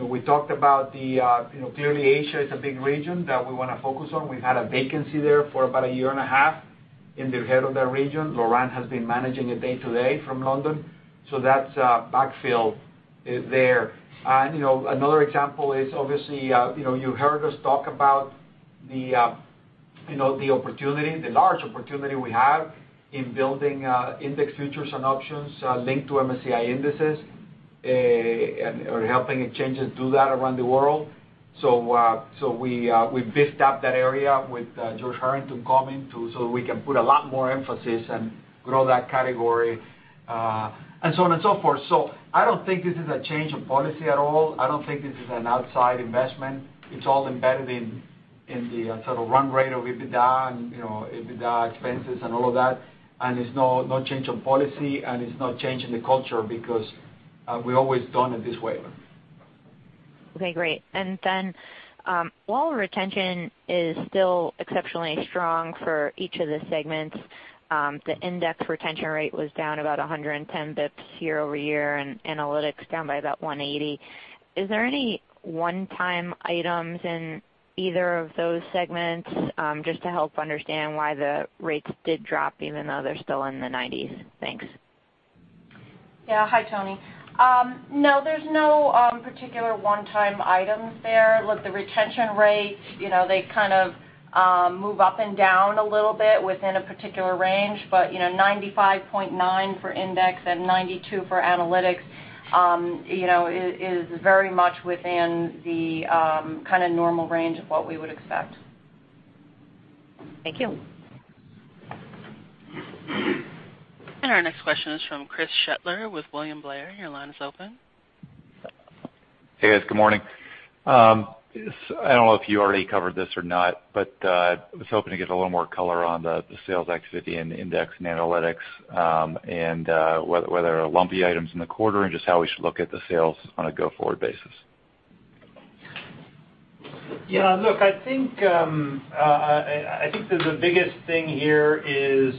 S3: We talked about clearly Asia is a big region that we want to focus on. We've had a vacancy there for about a year and a half in the head of that region. Laurent has been managing it day-to-day from London. That backfill is there. Another example is obviously, you heard us talk about the large opportunity we have in building index futures and options linked to MSCI indices, or helping exchanges do that around the world. We invested in that area with George Harrington coming, we can put a lot more emphasis and grow that category, and so on and so forth. I don't think this is a change of policy at all. I don't think this is an outside investment. It's all embedded in the total run rate of EBITDA and EBITDA expenses and all of that, it's no change in policy, it's no change in the culture because we always done it this way.
S8: Okay, great. While retention is still exceptionally strong for each of the segments, the index retention rate was down about 110 basis points year-over-year, analytics down by about 180 basis points. Is there any one-time items in either of those segments? Just to help understand why the rates did drop even though they're still in the 90s. Thanks.
S5: Yeah. Hi, Toni. No, there's no particular one-time items there. Look, the retention rates, they move up and down a little bit within a particular range. 95.9 for index and 92 for analytics is very much within the normal range of what we would expect.
S8: Thank you.
S1: Our next question is from Chris Shutler with William Blair. Your line is open.
S9: Hey, guys. Good morning. I don't know if you already covered this or not, but I was hoping to get a little more color on the sales activity in index and analytics, and whether lumpy items in the quarter and just how we should look at the sales on a go-forward basis.
S4: I think the biggest thing here is,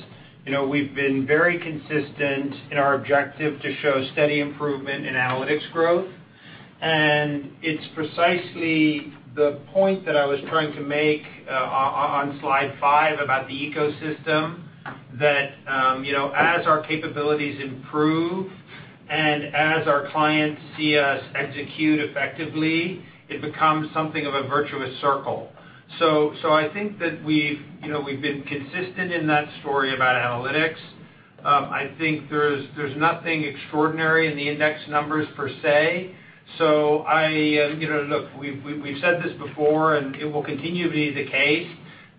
S4: we've been very consistent in our objective to show steady improvement in analytics growth. It's precisely the point that I was trying to make on slide five about the ecosystem that, as our capabilities improve and as our clients see us execute effectively, it becomes something of a virtuous circle. I think that we've been consistent in that story about analytics. I think there's nothing extraordinary in the index numbers per se. Look, we've said this before, and it will continue to be the case,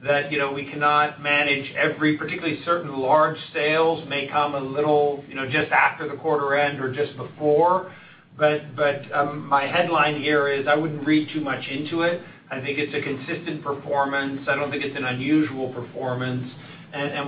S4: that we cannot manage every, particularly certain large sales may come a little, just after the quarter end or just before. My headline here is, I wouldn't read too much into it. I think it's a consistent performance. I don't think it's an unusual performance.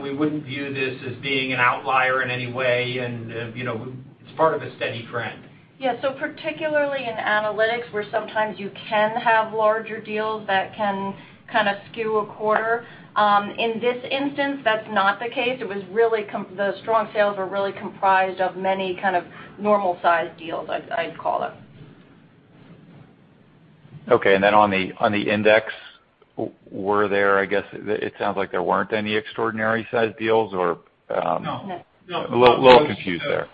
S4: We wouldn't view this as being an outlier in any way. It's part of a steady trend.
S5: Particularly in analytics, where sometimes you can have larger deals that can kind of skew a quarter. In this instance, that's not the case. The strong sales were really comprised of many normal-sized deals, I'd call it.
S9: On the index, were there, I guess it sounds like there weren't any extraordinary-sized deals.
S4: No.
S5: No.
S9: I'm a little confused there.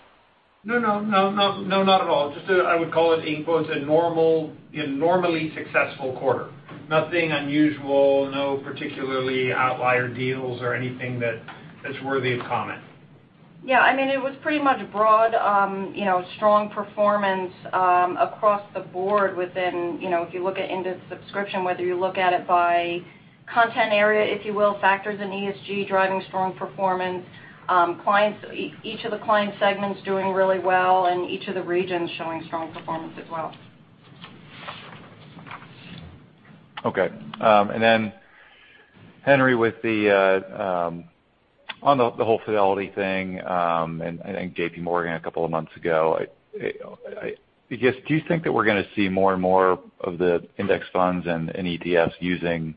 S4: No. Not at all. I would call it in quotes, a normally successful quarter. Nothing unusual, no particularly outlier deals or anything that's worthy of comment.
S5: It was pretty much broad, strong performance across the board. If you look at index subscription, whether you look at it by content area, if you will, factors in ESG driving strong performance, each of the client segments doing really well and each of the regions showing strong performance as well.
S9: Henry, on the whole Fidelity thing, and I think JP Morgan a couple of months ago, I guess, do you think that we're going to see more and more of the index funds and ETFs using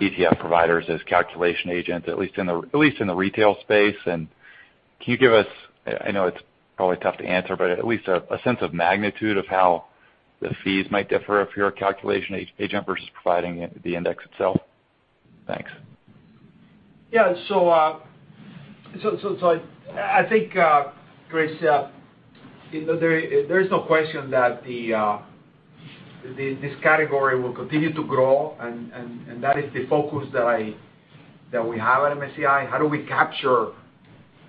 S9: ETF providers as calculation agents, at least in the retail space? Can you give us, I know it's probably tough to answer, but at least a sense of magnitude of how the fees might differ if you're a calculation agent versus providing the index itself? Thanks.
S3: Yeah. I think, Chris, there is no question that this category will continue to grow, and that is the focus that we have at MSCI. How do we capture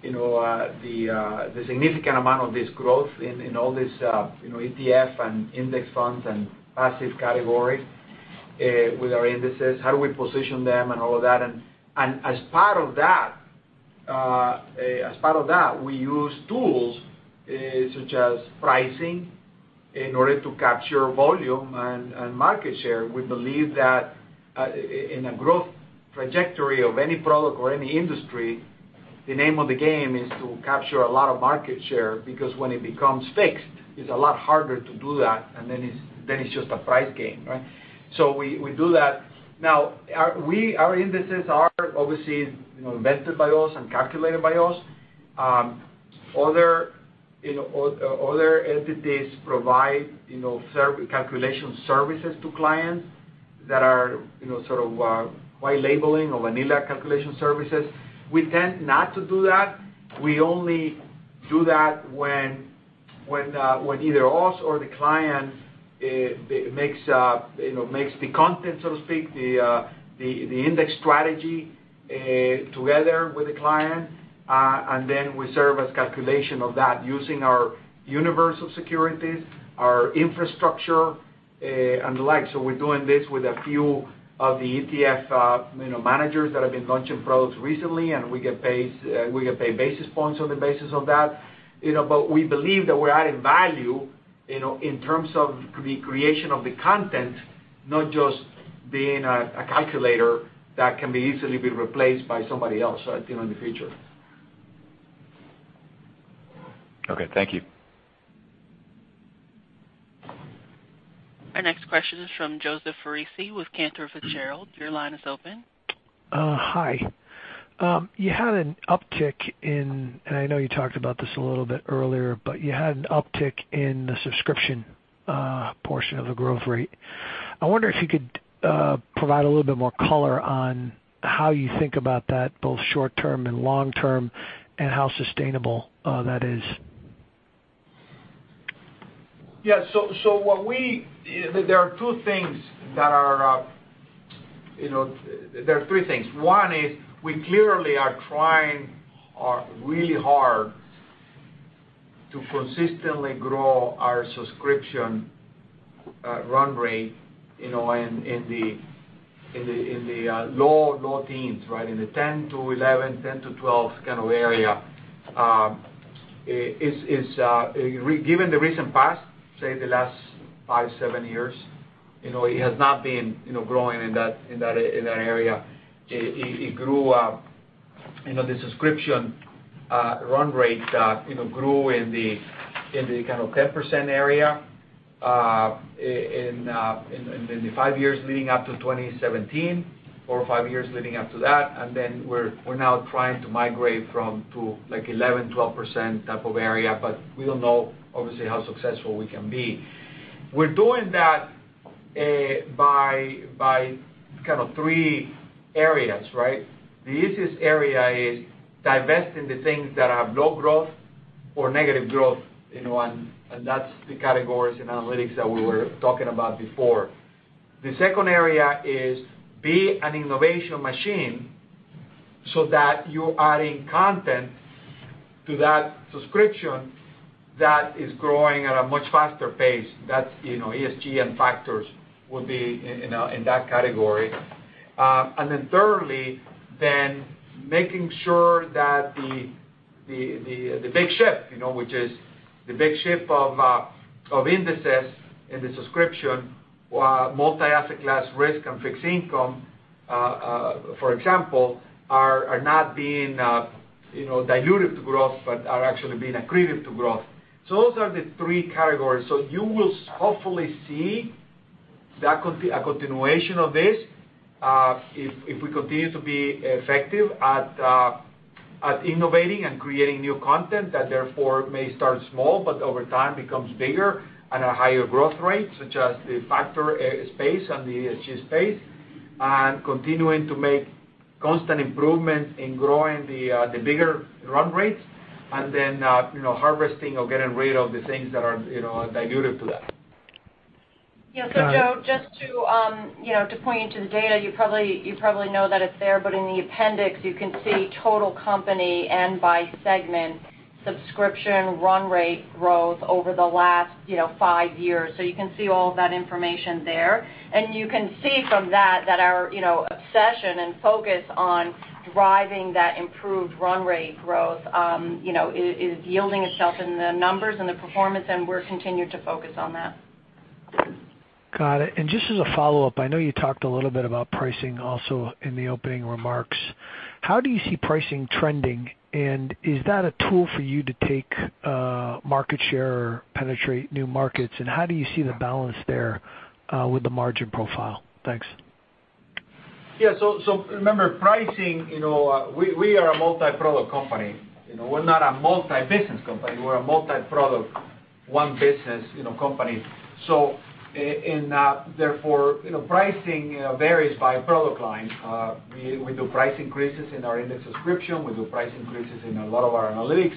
S3: the significant amount of this growth in all this ETF and index funds and passive categories with our indices? How do we position them and all of that? As part of that, we use tools such as pricing in order to capture volume and market share. We believe that in a growth trajectory of any product or any industry, the name of the game is to capture a lot of market share, because when it becomes fixed, it's a lot harder to do that, and then it's just a price game, right? We do that. Now our indices are obviously invented by us and calculated by us. Other entities provide calculation services to clients that are sort of white labeling or vanilla calculation services. We tend not to do that. We only do that when either us or the client makes the content, so to speak, the index strategy together with the client. We serve as calculation of that using our universe of securities, our infrastructure, and the like. We're doing this with a few of the ETF managers that have been launching products recently, and we get paid basis points on the basis of that. We believe that we're adding value in terms of the creation of the content, not just being a calculator that can be easily be replaced by somebody else in the future.
S9: Okay. Thank you.
S1: Our next question is from Joseph Foresi with Cantor Fitzgerald. Your line is open.
S10: Hi. You had an uptick in, and I know you talked about this a little bit earlier, but you had an uptick in the subscription portion of the growth rate. I wonder if you could provide a little bit more color on how you think about that, both short-term and long-term, and how sustainable that is.
S3: Yeah. There are three things. One is we clearly are trying really hard to consistently grow our subscription run rate in the low teens. In the 10 to 11, 10 to 12 kind of area. Given the recent past, say the last five, seven years, it has not been growing in that area. The subscription run rate grew in the 10% area in the five years leading up to 2017, four or five years leading up to that. We're now trying to migrate to 11, 12% type of area, but we don't know, obviously, how successful we can be. We're doing that by three areas. The easiest area is divesting the things that have low growth or negative growth, and that's the categories in analytics that we were talking about before. The second area is be an innovation machine so that you're adding content to that subscription that is growing at a much faster pace. ESG and factors would be in that category. Thirdly, making sure that the big shift, which is the big shift of indices in the subscription, multi-asset class risk and fixed income, for example, are not being diluted to growth, but are actually being accretive to growth. Those are the three categories. You will hopefully see a continuation of this, if we continue to be effective at innovating and creating new content that therefore may start small, but over time becomes bigger and a higher growth rate, such as the factor space and the ESG space, and continuing to make constant improvements in growing the bigger run rates and then harvesting or getting rid of the things that are dilutive to that.
S5: Yeah. Joe, just to point you to the data, you probably know that it's there, but in the appendix, you can see total company and by segment, subscription run rate growth over the last five years. You can see all of that information there, and you can see from that our obsession and focus on driving that improved run rate growth is yielding itself in the numbers and the performance, and we're continued to focus on that.
S10: Got it. Just as a follow-up, I know you talked a little bit about pricing also in the opening remarks. How do you see pricing trending, and is that a tool for you to take market share or penetrate new markets? How do you see the balance there with the margin profile? Thanks.
S3: Yeah. Remember, pricing, we are a multi-product company. We're not a multi-business company. We're a multi-product, one business company. Therefore, pricing varies by product line. We do price increases in our index subscription. We do price increases in a lot of our analytics.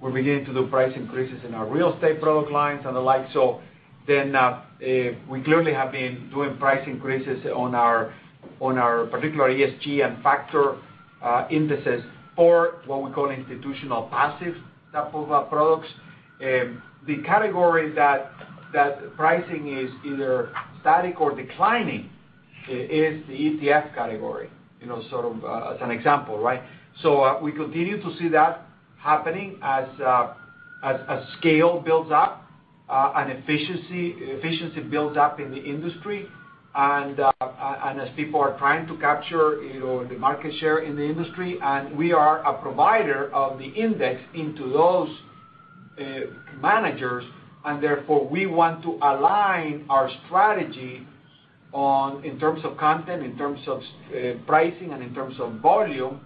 S3: We're beginning to do price increases in our real estate product lines and the like. We clearly have been doing price increases on our particular ESG and factor indices for what we call institutional passive type of products. The category that pricing is either static or declining is the ETF category, sort of as an example. We continue to see that happening as scale builds up and efficiency builds up in the industry, and as people are trying to capture the market share in the industry. We are a provider of the index into those managers, and therefore, we want to align our strategy in terms of content, in terms of pricing, and in terms of volume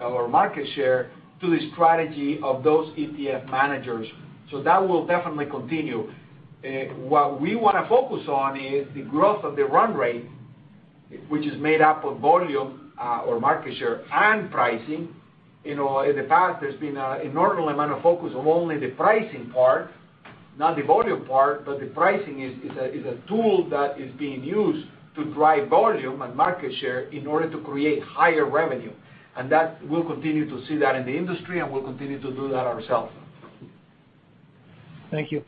S3: or market share to the strategy of those ETF managers. That will definitely continue. What we want to focus on is the growth of the run rate, which is made up of volume or market share and pricing. In the past, there's been an inordinate amount of focus on only the pricing part, not the volume part, but the pricing is a tool that is being used to drive volume and market share in order to create higher revenue. We'll continue to see that in the industry, and we'll continue to do that ourselves.
S10: Thank you.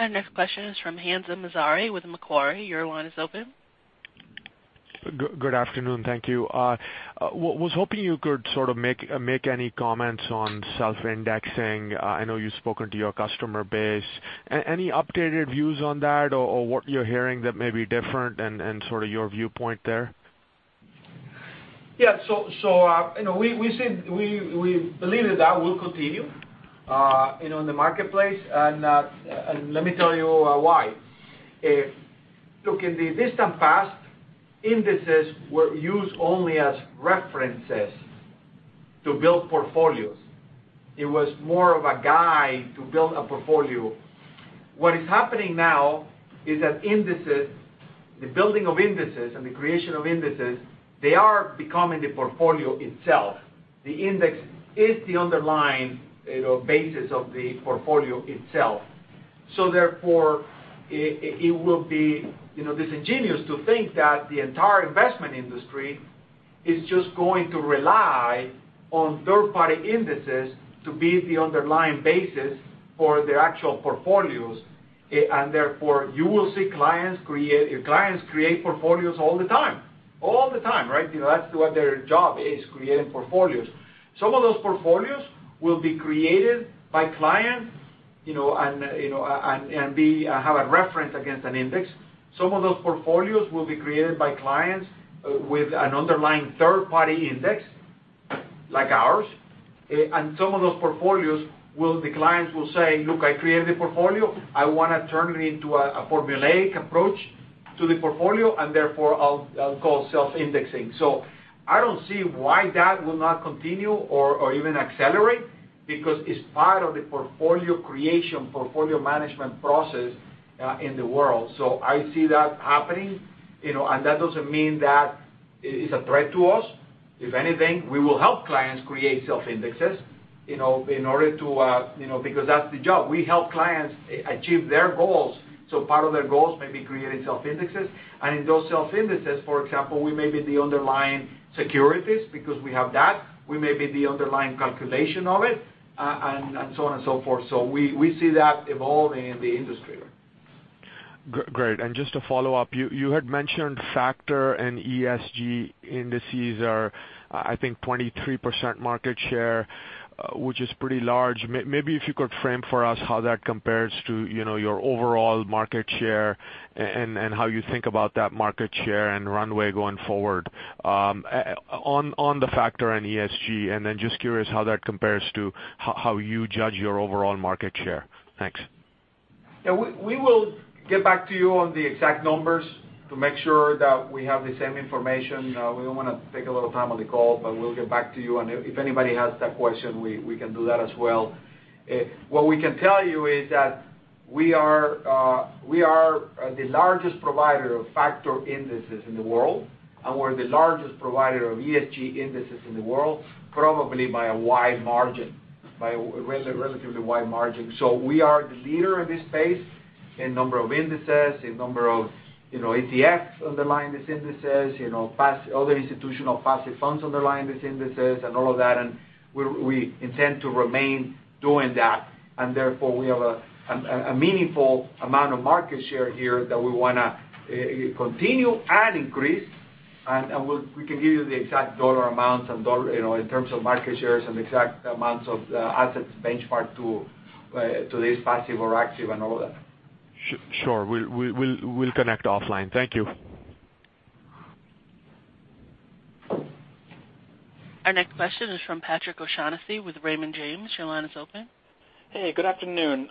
S1: Our next question is from Hamza Mazari with Macquarie. Your line is open.
S11: Good afternoon. Thank you. Was hoping you could sort of make any comments on self-indexing. I know you've spoken to your customer base. Any updated views on that or what you're hearing that may be different and sort of your viewpoint there?
S3: Yeah. We believe that that will continue in the marketplace, and let me tell you why. Look, in the distant past, indices were used only as references to build portfolios. It was more of a guide to build a portfolio. What is happening now is that the building of indices and the creation of indices, they are becoming the portfolio itself. The index is the underlying basis of the portfolio itself. Therefore, it will be disingenuous to think that the entire investment industry is just going to rely on third-party indices to be the underlying basis for their actual portfolios. Therefore, you will see clients create portfolios all the time. All the time, right? That's what their job is, creating portfolios. Some of those portfolios will be created by clients, and have a reference against an index. Some of those portfolios will be created by clients with an underlying third-party index, like ours. Some of those portfolios, the clients will say, "Look, I created a portfolio. I want to turn it into a formulaic approach to the portfolio, and therefore, I'll call self-indexing." I don't see why that will not continue or even accelerate, because it's part of the portfolio creation, portfolio management process, in the world. I see that happening, and that doesn't mean that it is a threat to us. If anything, we will help clients create self-indexes, because that's the job. We help clients achieve their goals. Part of their goals may be creating self-indexes. In those self-indexes, for example, we may be the underlying securities because we have that, we may be the underlying calculation of it, and so on and so forth. We see that evolving in the industry.
S11: Great. Just to follow up, you had mentioned factor and ESG indices are, I think, 23% market share, which is pretty large. Maybe if you could frame for us how that compares to your overall market share and how you think about that market share and runway going forward on the factor and ESG. Then just curious how that compares to how you judge your overall market share. Thanks.
S3: Yeah. We will get back to you on the exact numbers to make sure that we have the same information. We don't want to take a lot of time on the call, but we'll get back to you, and if anybody has that question, we can do that as well. What we can tell you is that we are the largest provider of factor indices in the world, and we're the largest provider of ESG indices in the world, probably by a wide margin, by a relatively wide margin. We are the leader in this space in number of indices, in number of ETFs underlying these indices, other institutional passive funds underlying these indices and all of that. We intend to remain doing that. Therefore, we have a meaningful amount of market share here that we want to continue and increase. We can give you the exact dollar amounts in terms of market shares and exact amounts of assets benchmarked to this, passive or active, and all of that.
S11: Sure. We'll connect offline. Thank you.
S1: Our next question is from Patrick O'Shaughnessy with Raymond James. Your line is open.
S12: Hey, good afternoon.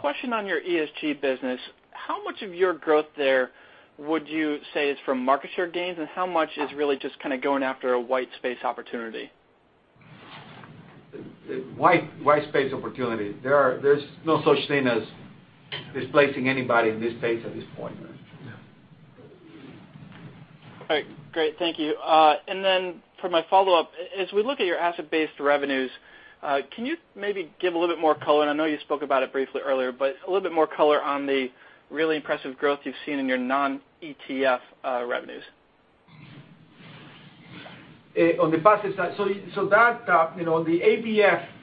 S12: Question on your ESG business. How much of your growth there would you say is from market share gains, and how much is really just kind of going after a white space opportunity?
S3: White space opportunity. There's no such thing as displacing anybody in this space at this point.
S12: All right. Great. Thank you. For my follow-up, as we look at your asset-based revenues, can you maybe give a little bit more color? I know you spoke about it briefly earlier, but a little bit more color on the really impressive growth you've seen in your non-ETF revenues.
S3: On the passive side. The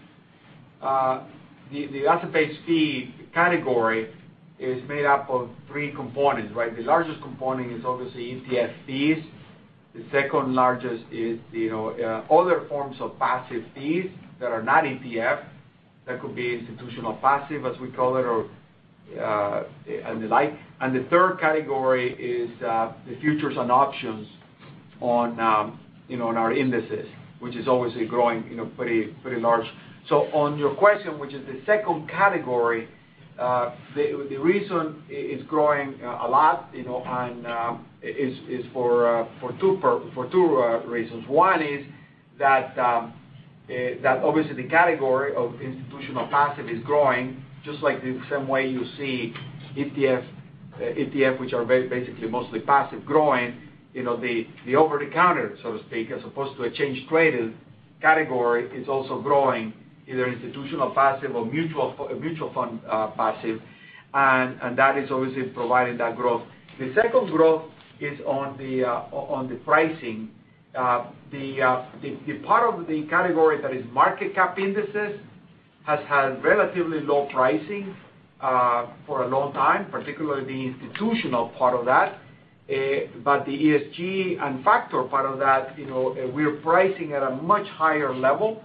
S3: ABF, the asset-based fee category, is made up of three components, right? The largest component is obviously ETF fees. The second-largest is other forms of passive fees that are not ETF. That could be institutional passive, as we call it, and the like. The third category is the futures and options on our indices, which is obviously growing pretty large. On your question, which is the second category, the reason it's growing a lot is for two reasons. One is that obviously the category of institutional passive is growing, just like the same way you see ETF, which are basically mostly passive growing. The over-the-counter, so to speak, as opposed to an exchange traded category, is also growing, either institutional passive or mutual fund passive, and that is obviously providing that growth. The second growth is on the pricing. The part of the category that is market cap indices has had relatively low pricing for a long time, particularly the institutional part of that. The ESG and factor part of that, we're pricing at a much higher level,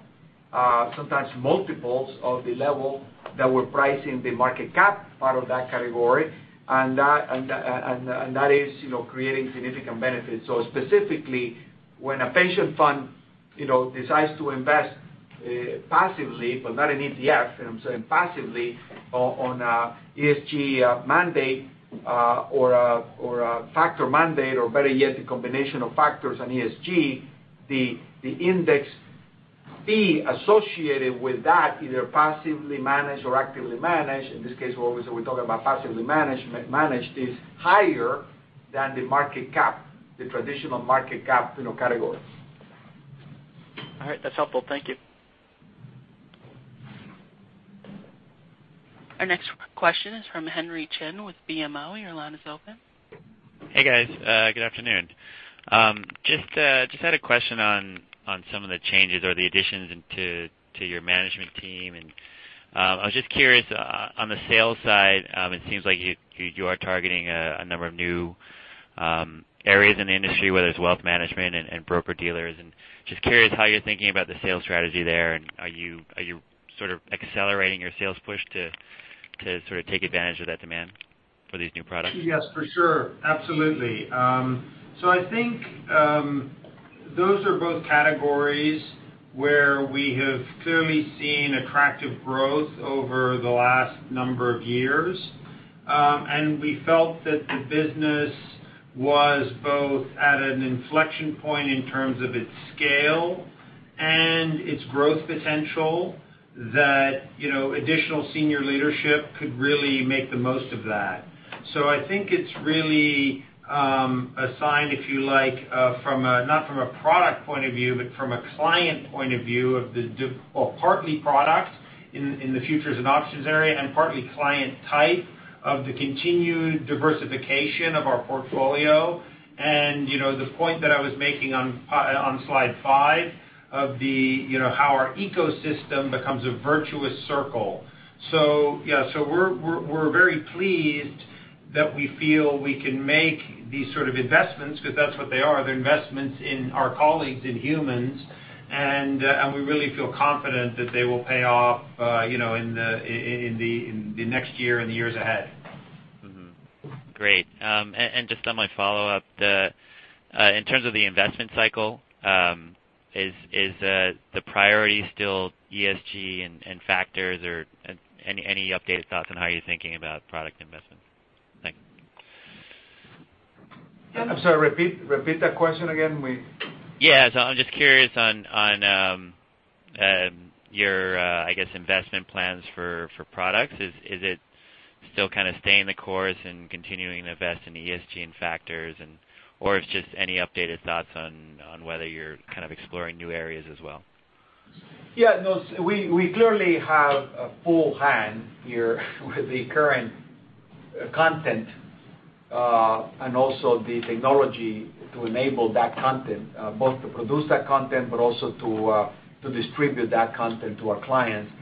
S3: sometimes multiples of the level that we're pricing the market cap part of that category. That is creating significant benefits. Specifically, when a pension fund decides to invest passively, but not an ETF, I'm saying passively, on an ESG mandate or a factor mandate or better yet, the combination of factors on ESG, the index Fee, associated with that, either passively managed or actively managed, in this case, obviously, we're talking about passively managed, is higher than the market cap, the traditional market cap category.
S12: All right, that's helpful. Thank you.
S1: Our next question is from Henry Chin with BMO. Your line is open.
S13: Hey, guys. Good afternoon. Just had a question on some of the changes or the additions to your management team. I was just curious, on the sales side, it seems like you are targeting a number of new areas in the industry, whether it's wealth management and broker-dealers. Just curious how you're thinking about the sales strategy there, and are you sort of accelerating your sales push to sort of take advantage of that demand for these new products?
S4: Yes, for sure. Absolutely. I think those are both categories where we have clearly seen attractive growth over the last number of years. We felt that the business was both at an inflection point in terms of its scale and its growth potential that additional senior leadership could really make the most of that. I think it's really a sign, if you like, not from a product point of view, but from a client point of view, or partly product in the futures and options area and partly client type, of the continued diversification of our portfolio. The point that I was making on slide five of how our ecosystem becomes a virtuous circle. Yeah, we're very pleased that we feel we can make these sort of investments, because that's what they are. They're investments in our colleagues, in humans, and we really feel confident that they will pay off in the next year and the years ahead.
S13: Mm-hmm. Great. Just on my follow-up, in terms of the investment cycle, is the priority still ESG and factors or any updated thoughts on how you're thinking about product investments? Thanks.
S4: I'm sorry, repeat that question again.
S13: Yeah. I'm just curious on your, I guess, investment plans for products. Is it still kind of staying the course and continuing to invest in ESG and factors or just any updated thoughts on whether you're kind of exploring new areas as well?
S4: Yeah, no. We clearly have a full hand here with the current content, and also the technology to enable that content, both to produce that content, but also to distribute that content to our clients.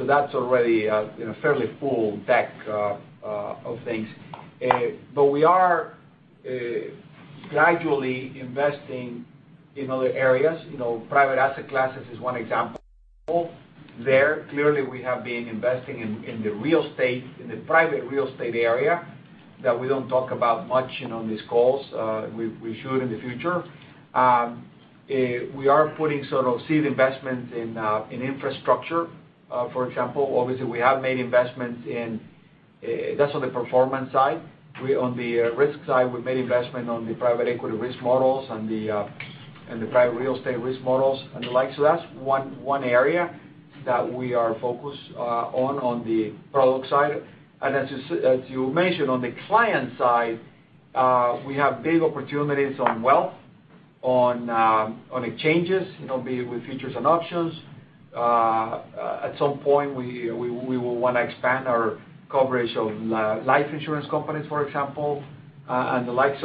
S4: That's already a fairly full deck of things. We are gradually investing in other areas. Private asset classes is one example there. Clearly, we have been investing in the private real estate area that we don't talk about much on these calls. We should in the future. We are putting sort of seed investments in infrastructure, for example. Obviously, we have made investments in That's on the performance side. On the risk side, we've made investments on the private equity risk models and the private real estate risk models and the like. That's one area that we are focused on the product side. As you mentioned, on the client side, we have big opportunities on wealth, on exchanges, be it with futures and options. At some point, we will want to expand our coverage of life insurance companies, for example, and the like.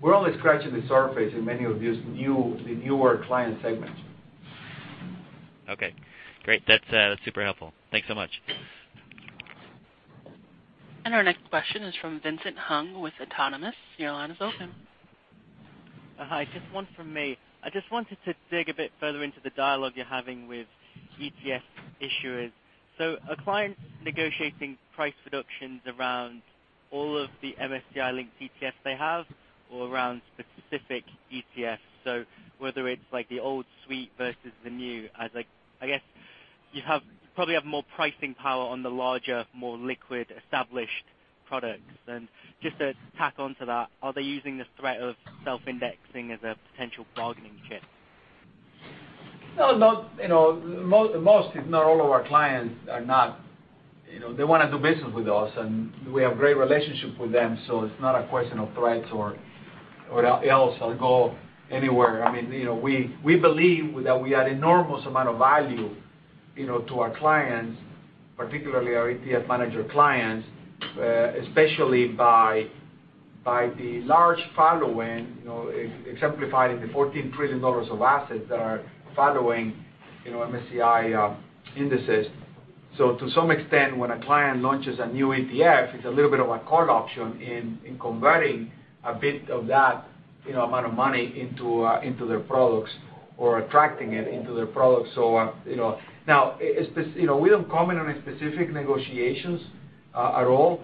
S4: We're only scratching the surface in many of these newer client segments.
S13: Okay, great. That's super helpful. Thanks so much.
S1: Our next question is from Vincent Hung with Autonomous. Your line is open.
S14: Hi, just one from me. I just wanted to dig a bit further into the dialogue you're having with ETF issuers. Are clients negotiating price reductions around all of the MSCI-linked ETFs they have or around specific ETFs? Whether it's the old suite versus the new, as I guess you probably have more pricing power on the larger, more liquid established products. Just to tack on to that, are they using the threat of self-indexing as a potential bargaining chip?
S4: Most, if not all of our clients are not. They want to do business with us, and we have great relationships with them. It's not a question of threats or else I'll go anywhere. We believe that we add enormous amount of value to our clients, particularly our ETF manager clients, especially by the large following exemplified in the $14 trillion of assets that are following MSCI indices. To some extent, when a client launches a new ETF, it's a little bit of a call option in converting a bit of that amount of money into their products or attracting it into their products. We don't comment on any specific negotiations at all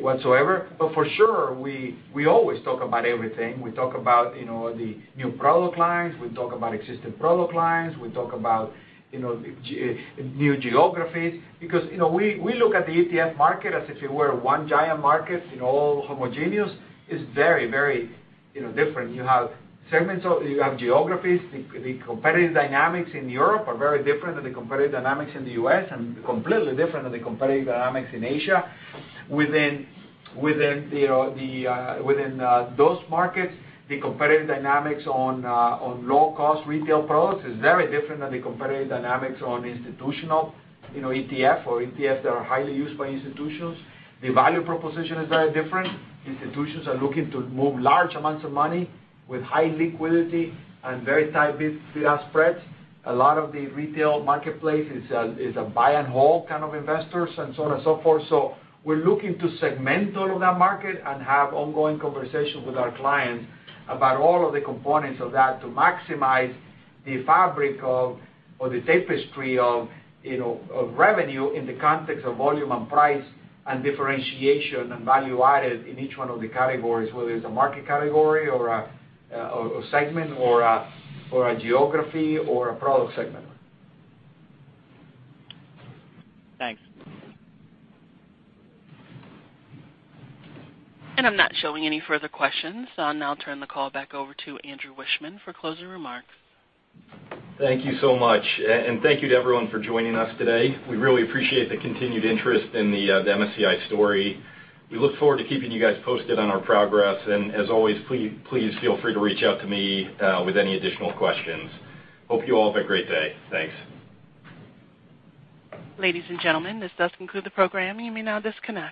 S4: whatsoever. For sure, we always talk about everything. We talk about the new product lines. We talk about existing product lines. We talk about new geographies because we look at the ETF market as if it were one giant market, all homogeneous. It's very, very different. You have segments, you have geographies. The competitive dynamics in Europe are very different than the competitive dynamics in the U.S. and completely different than the competitive dynamics in Asia. Within those markets, the competitive dynamics on low-cost retail products is very different than the competitive dynamics on institutional ETF or ETFs that are highly used by institutions. The value proposition is very different. Institutions are looking to move large amounts of money with high liquidity and very tight bid-ask spreads. A lot of the retail marketplace is a buy and hold kind of investors and so on and so forth. We're looking to segment all of that market and have ongoing conversations with our clients about all of the components of that to maximize the fabric of, or the tapestry of revenue in the context of volume and price and differentiation and value added in each one of the categories, whether it's a market category or a segment or a geography or a product segment.
S14: Thanks.
S1: I'm not showing any further questions. I'll now turn the call back over to Andrew Wiechmann for closing remarks.
S2: Thank you so much. Thank you to everyone for joining us today. We really appreciate the continued interest in the MSCI story. We look forward to keeping you guys posted on our progress. As always, please feel free to reach out to me with any additional questions. Hope you all have a great day. Thanks.
S1: Ladies and gentlemen, this does conclude the program. You may now disconnect.